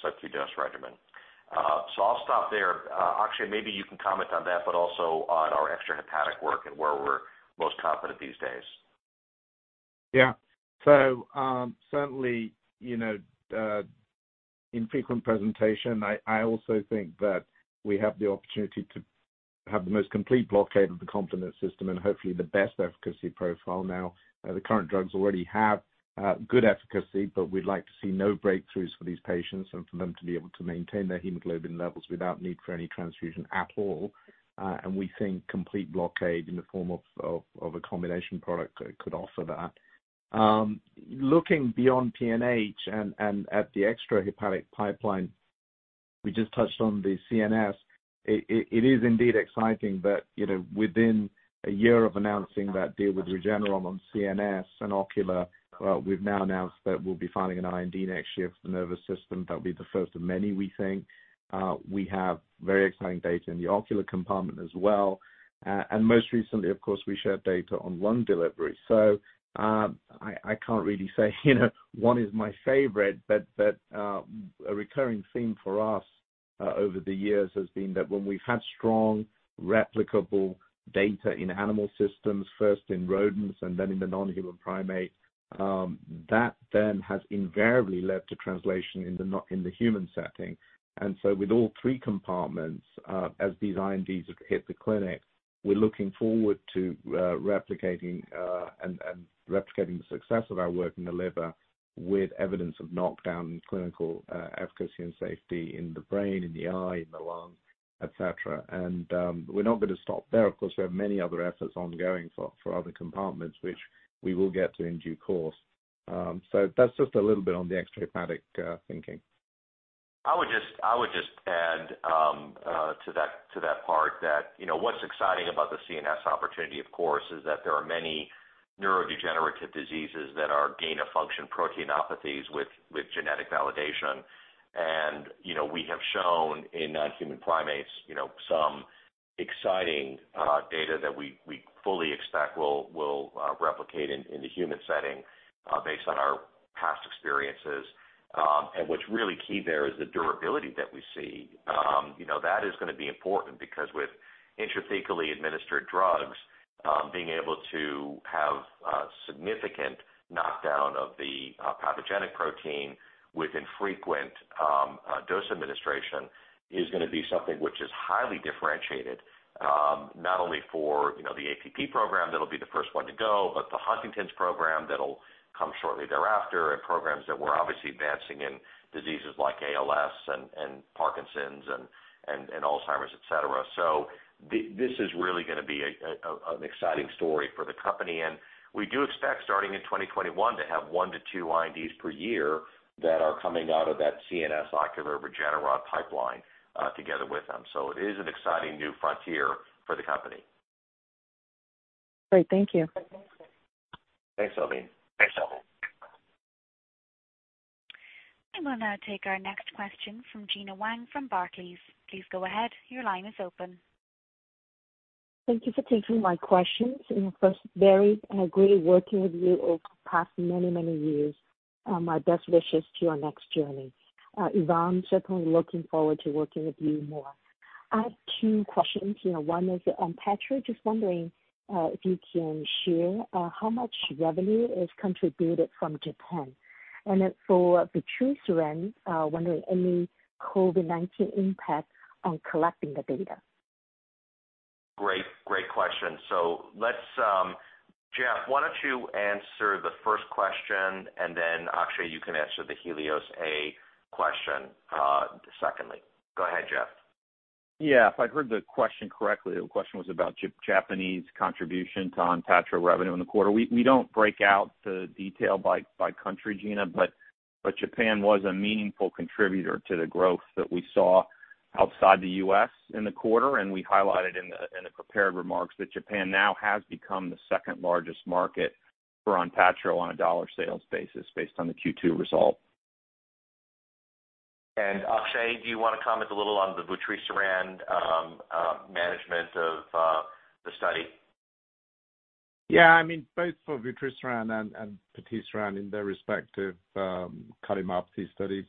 subQ dose regimen. So I'll stop there. Akshay, maybe you can comment on that, but also on our extrahepatic work and where we're most confident these days. Yeah. So certainly, infrequent presentation. I also think that we have the opportunity to have the most complete blockade of the complement system and hopefully the best efficacy profile now. The current drugs already have good efficacy. But we'd like to see no breakthroughs for these patients and for them to be able to maintain their hemoglobin levels without need for any transfusion at all. And we think complete blockade in the form of a combination product could offer that. Looking beyond PNH and at the extrahepatic pipeline, we just touched on the CNS. It is indeed exciting that within a year of announcing that deal with Regeneron on CNS and ocular, we've now announced that we'll be filing an IND next year for the nervous system. That'll be the first of many, we think. We have very exciting data in the ocular compartment as well. Most recently, of course, we shared data on lung delivery. I can't really say one is my favorite. A recurring theme for us over the years has been that when we've had strong replicable data in animal systems, first in rodents and then in the non-human primate, that then has invariably led to translation in the human setting. With all three compartments, as these INDs hit the clinic, we're looking forward to replicating and replicating the success of our work in the liver with evidence of knockdown and clinical efficacy and safety in the brain, in the eye, in the lungs, etc. We're not going to stop there. Of course, we have many other efforts ongoing for other compartments, which we will get to in due course. That's just a little bit on the extrahepatic thinking. I would just add to that part that what's exciting about the CNS opportunity, of course, is that there are many neurodegenerative diseases that are gain-of-function proteinopathies with genetic validation. And we have shown in non-human primates some exciting data that we fully expect will replicate in the human setting based on our past experiences. And what's really key there is the durability that we see. That is going to be important because with intrathecally administered drugs, being able to have significant knockdown of the pathogenic protein with infrequent dose administration is going to be something which is highly differentiated, not only for the APP program that'll be the first one to go, but the Huntington's program that'll come shortly thereafter, and programs that we're obviously advancing in diseases like ALS and Parkinson's and Alzheimer's, etc. So this is really going to be an exciting story for the company. We do expect, starting in 2021, to have one to two INDs per year that are coming out of that CNS, ocular, Regeneron pipeline together with them. It is an exciting new frontier for the company. Great. Thank you. Thanks, Salveen. We will now take our next question from Gena Wang from Barclays. Please go ahead. Your line is open. Thank you for taking my questions. First, Barry, it's been great working with you over the past many, many years. My best wishes to your next journey. Yvonne, certainly looking forward to working with you more. I have two questions. One is, on Onpattro, just wondering if you can share how much revenue is contributed from Japan. And for vutrisiran, wondering any COVID-19 impact on collecting the data. Great. Great question. So Jeff, why don't you answer the first question? And then, Akshay, you can answer the HELIOS-A question secondly. Go ahead, Jeff. Yeah. If I heard the question correctly, the question was about Japanese contribution to Onpattro revenue in the quarter. We don't break out the detail by country, Gena, but Japan was a meaningful contributor to the growth that we saw outside the US in the quarter, and we highlighted in the prepared remarks that Japan now has become the second largest market for Onpattro on a dollar sales basis based on the Q2 result. Akshay, do you want to comment a little on the vutrisiran management of the study? Yeah. I mean, both for vutrisiran and patisiran in their respective cardiomyopathy studies,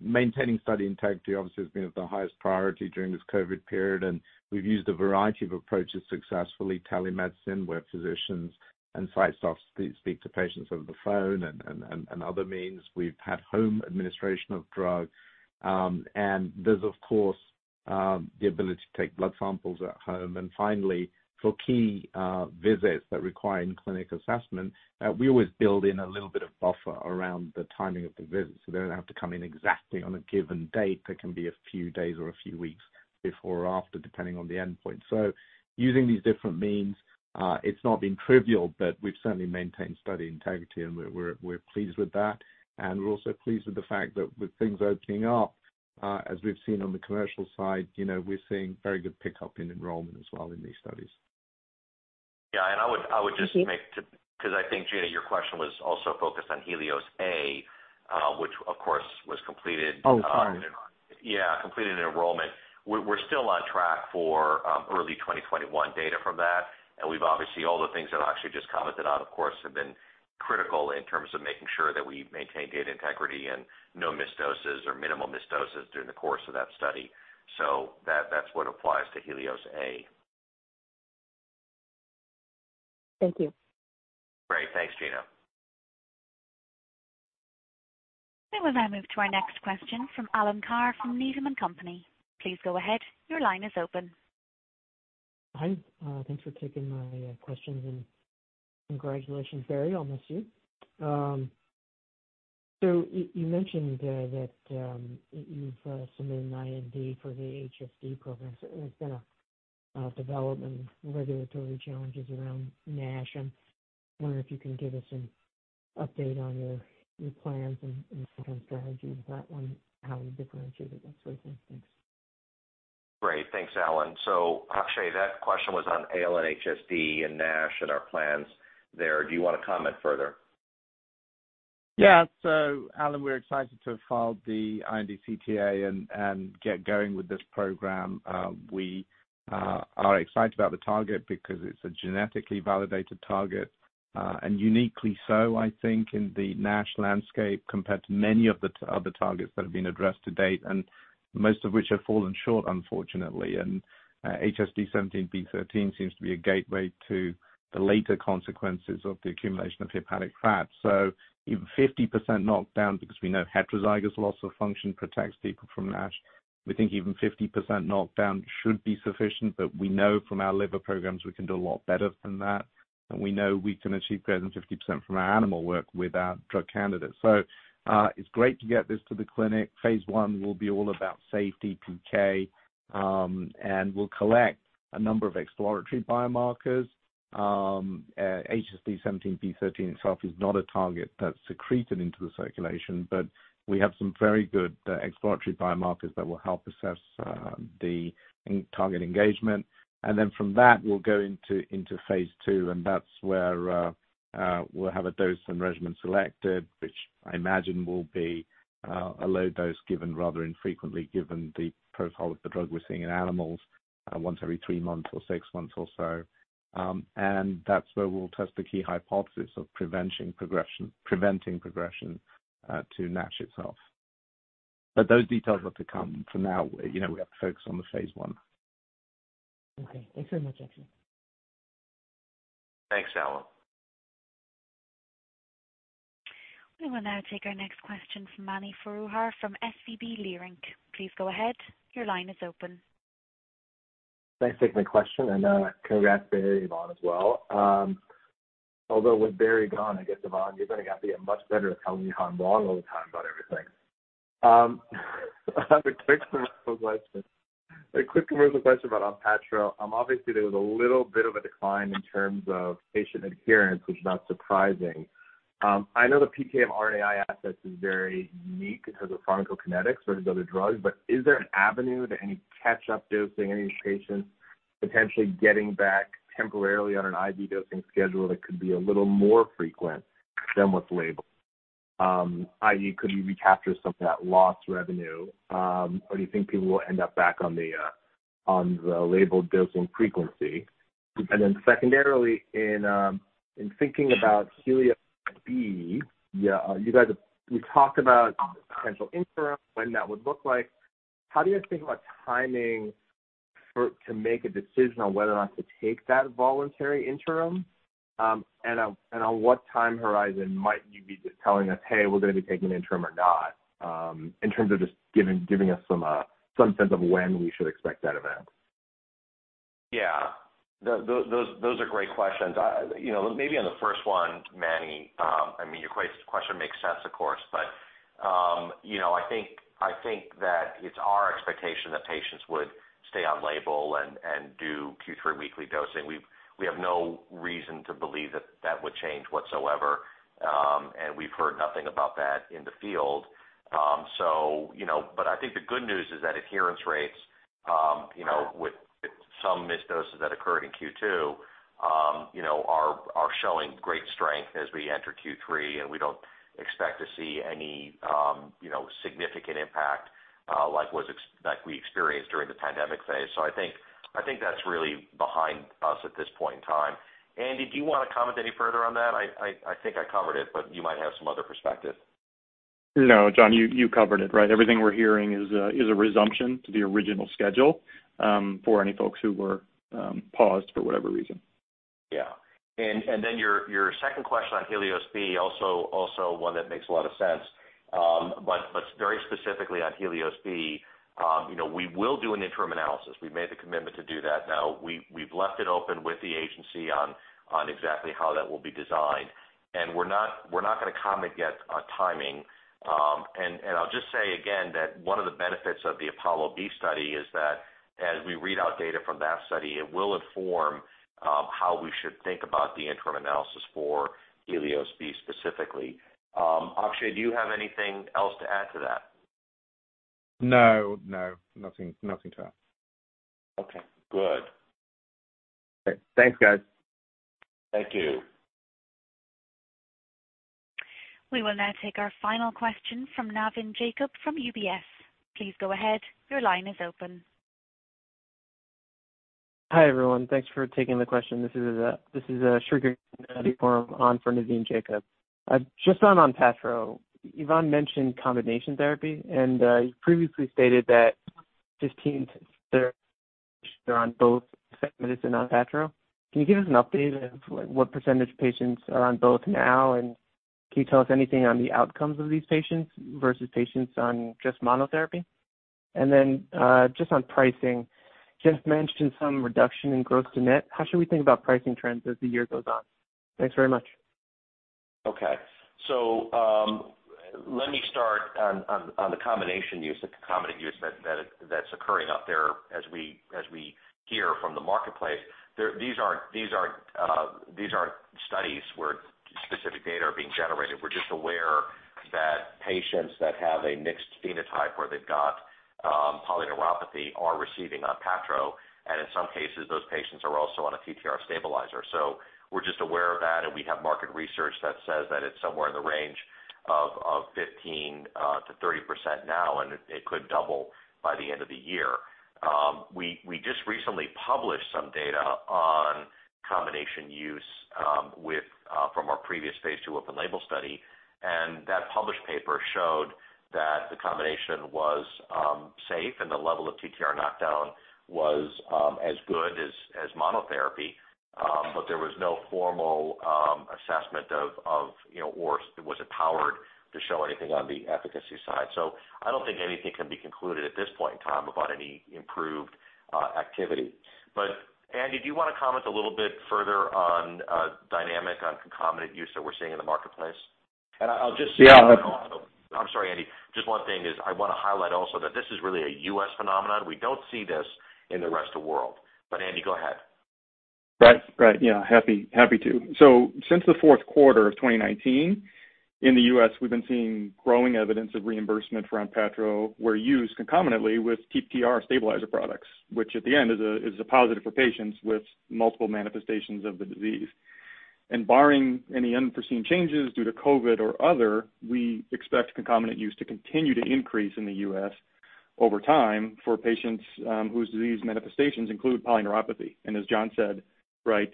maintaining study integrity obviously has been of the highest priority during this COVID period. And we've used a variety of approaches successfully: telemedicine, where physicians and site staff speak to patients over the phone and other means. We've had home administration of drug. And there's, of course, the ability to take blood samples at home. And finally, for key visits that require in-clinic assessment, we always build in a little bit of buffer around the timing of the visit so they don't have to come in exactly on a given date. There can be a few days or a few weeks before or after, depending on the endpoint. So using these different means, it's not been trivial. But we've certainly maintained study integrity. And we're pleased with that. We're also pleased with the fact that with things opening up, as we've seen on the commercial side, we're seeing very good pickup in enrollment as well in these studies. Yeah, and I would just make because I think, Gena, your question was also focused on HELIOS-A, which, of course, was completed. Oh, sorry. Yeah. Completed enrollment. We're still on track for early 2021 data from that. And we've obviously all the things that Akshay just commented on, of course, have been critical in terms of making sure that we maintain data integrity and no missed doses or minimal missed doses during the course of that study. So that's what applies to HELIOS-A. Thank you. Great. Thanks, Gina. We will now move to our next question from Alan Carr from Needham & Company. Please go ahead. Your line is open. Hi. Thanks for taking my questions. And congratulations, Barry. I'll miss you. So you mentioned that you've submitted an IND for the HSD program. So there's been some developmental regulatory challenges around NASH. And I'm wondering if you can give us an update on your plans and kind of strategy with that one, how you differentiate that sort of thing. Thanks. Great. Thanks, Alan. So Akshay, that question was on ALN-HSD and NASH and our plans there. Do you want to comment further? Yeah. So Alan, we're excited to have filed the IND CTA and get going with this program. We are excited about the target because it's a genetically validated target. And uniquely so, I think, in the NASH landscape compared to many of the other targets that have been addressed to date, and most of which have fallen short, unfortunately. And HSD17B13 seems to be a gateway to the later consequences of the accumulation of hepatic fat. So even 50% knockdown, because we know heterozygous loss of function protects people from NASH, we think even 50% knockdown should be sufficient. But we know from our liver programs we can do a lot better than that. And we know we can achieve greater than 50% from our animal work with our drug candidates. So it's great to get this to the clinic. Phase I will be all about safety, PK. And we'll collect a number of exploratory biomarkers. HSD17B13 itself is not a target that's secreted into the circulation. But we have some very good exploratory biomarkers that will help assess the target engagement. And then from that, we'll go into phase II. And that's where we'll have a dose and regimen selected, which I imagine will be a low dose given rather infrequently given the profile of the drug we're seeing in animals once every three months or six months or so. And that's where we'll test the key hypothesis of preventing progression to NASH itself. But those details are to come. For now, we have to focus on the phase I. Okay. Thanks very much, Akshay. Thanks, Alan. We will now take our next question from Mani Foroohar from SVB Leerink. Please go ahead. Your line is open. Thanks for taking the question and congrats, Barry, Yvonne, as well. Although with Barry gone, I guess, Yvonne, you're going to get to be much better at telling me how I'm wrong all the time about everything. I have a quick commercial question. A quick commercial question about Onpattro. Obviously, there was a little bit of a decline in terms of patient adherence, which is not surprising. I know the PK and RNAi assets is very unique in terms of pharmacokinetics versus other drugs. But is there an avenue to any catch-up dosing, any patients potentially getting back temporarily on an IV dosing schedule that could be a little more frequent than what's labeled? I.e., could we recapture some of that lost revenue? Or do you think people will end up back on the labeled dosing frequency? And then secondarily, in thinking about HELIOS-B, you guys have talked about potential interim, when that would look like. How do you guys think about timing to make a decision on whether or not to take that voluntary interim? And on what time horizon might you be telling us, "Hey, we're going to be taking an interim or not," in terms of just giving us some sense of when we should expect that event? Yeah. Those are great questions. Maybe on the first one, Manny, I mean, your question makes sense, of course. But I think that it's our expectation that patients would stay on label and do Q3 weekly dosing. We have no reason to believe that that would change whatsoever. And we've heard nothing about that in the field. But I think the good news is that adherence rates with some missed doses that occurred in Q2 are showing great strength as we enter Q3. And we don't expect to see any significant impact like we experienced during the pandemic phase. So I think that's really behind us at this point in time. Andy, do you want to comment any further on that? I think I covered it. But you might have some other perspective. No, John, you covered it, right? Everything we're hearing is a resumption to the original schedule for any folks who were paused for whatever reason. Yeah, and then your second question on HELIOS-B, also one that makes a lot of sense, but very specifically on HELIOS-B, we will do an interim analysis. We've made the commitment to do that. Now, we've left it open with the agency on exactly how that will be designed, and we're not going to comment yet on timing. I'll just say again that one of the benefits of the APOLLO-B study is that as we read out data from that study, it will inform how we should think about the interim analysis for HELIOS-B specifically. Akshay, do you have anything else to add to that? No. No. Nothing to add. Okay. Good. Thanks, guys. Thank you. We will now take our final question from Navin Jacob from UBS. Please go ahead. Your line is open. Hi, everyone. Thanks for taking the question. This is Srikanth Gururaj on for Navin Jacob. I've just gone on Onpattro. Yvonne mentioned combination therapy. And you previously stated that 15% are on both Vyndaqel and Onpattro. Can you give us an update of what percentage of patients are on both now? And can you tell us anything on the outcomes of these patients versus patients on just monotherapy? And then just on pricing, you just mentioned some reduction in gross to net. How should we think about pricing trends as the year goes on? Thanks very much. Okay. So let me start on the combination use that's occurring out there as we hear from the marketplace. These aren't studies where specific data are being generated. We're just aware that patients that have a mixed phenotype where they've got polyneuropathy are receiving Onpattro. And in some cases, those patients are also on a TTR stabilizer. So we're just aware of that. And we have market research that says that it's somewhere in the range of 15%-30% now. And it could double by the end of the year. We just recently published some data on combination use from our previous phase II open label study. And that published paper showed that the combination was safe. And the level of TTR knockdown was as good as monotherapy. But there was no formal assessment of, or was it powered to show anything on the efficacy side. So I don't think anything can be concluded at this point in time about any improved activity. But Andy, do you want to comment a little bit further on the dynamics of concomitant use that we're seeing in the marketplace? And I'll just. Yeah. I'm sorry, Andy. Just one thing is I want to highlight also that this is really a U.S. phenomenon. We don't see this in the rest of the world. But Andy, go ahead. Right. Right. Yeah. Happy to. So since the fourth quarter of 2019, in the U.S., we've been seeing growing evidence of reimbursement for Onpattro where used concomitantly with TTR stabilizer products, which in the end is a positive for patients with multiple manifestations of the disease. And barring any unforeseen changes due to COVID or other, we expect concomitant use to continue to increase in the U.S. over time for patients whose disease manifestations include polyneuropathy. And as John said, right,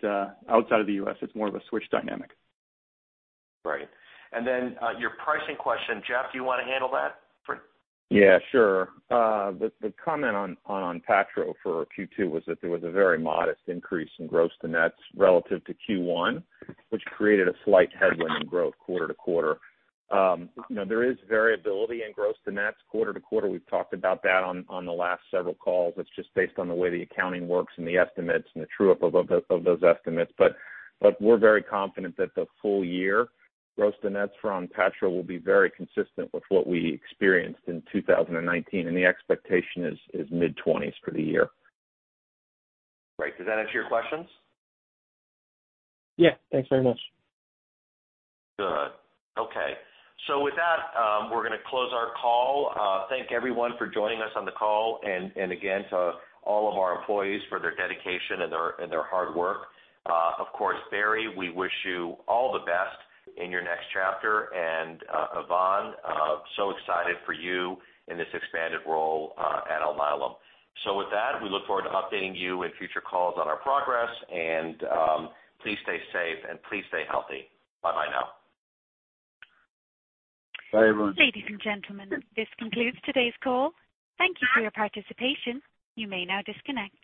outside of the U.S., it's more of a switch dynamic. Right. And then your pricing question, Jeff, do you want to handle that? Yeah. Sure. The comment on Onpattro for Q2 was that there was a very modest increase in gross to nets relative to Q1, which created a slight headwind in growth quarter to quarter. There is variability in gross to nets quarter to quarter. We've talked about that on the last several calls. It's just based on the way the accounting works and the estimates and the true-up of those estimates. But we're very confident that the full year gross to nets for Onpattro will be very consistent with what we experienced in 2019. And the expectation is mid-20s for the year. Great. Does that answer your questions? Yeah. Thanks very much. Good. Okay. So with that, we're going to close our call. Thank everyone for joining us on the call. And again, to all of our employees for their dedication and their hard work. Of course, Barry, we wish you all the best in your next chapter. And Yvonne, so excited for you in this expanded role at Alnylam. So with that, we look forward to updating you in future calls on our progress. And please stay safe. And please stay healthy. Bye-bye now. Bye, everyone. Ladies and gentlemen, this concludes today's call. Thank you for your participation. You may now disconnect.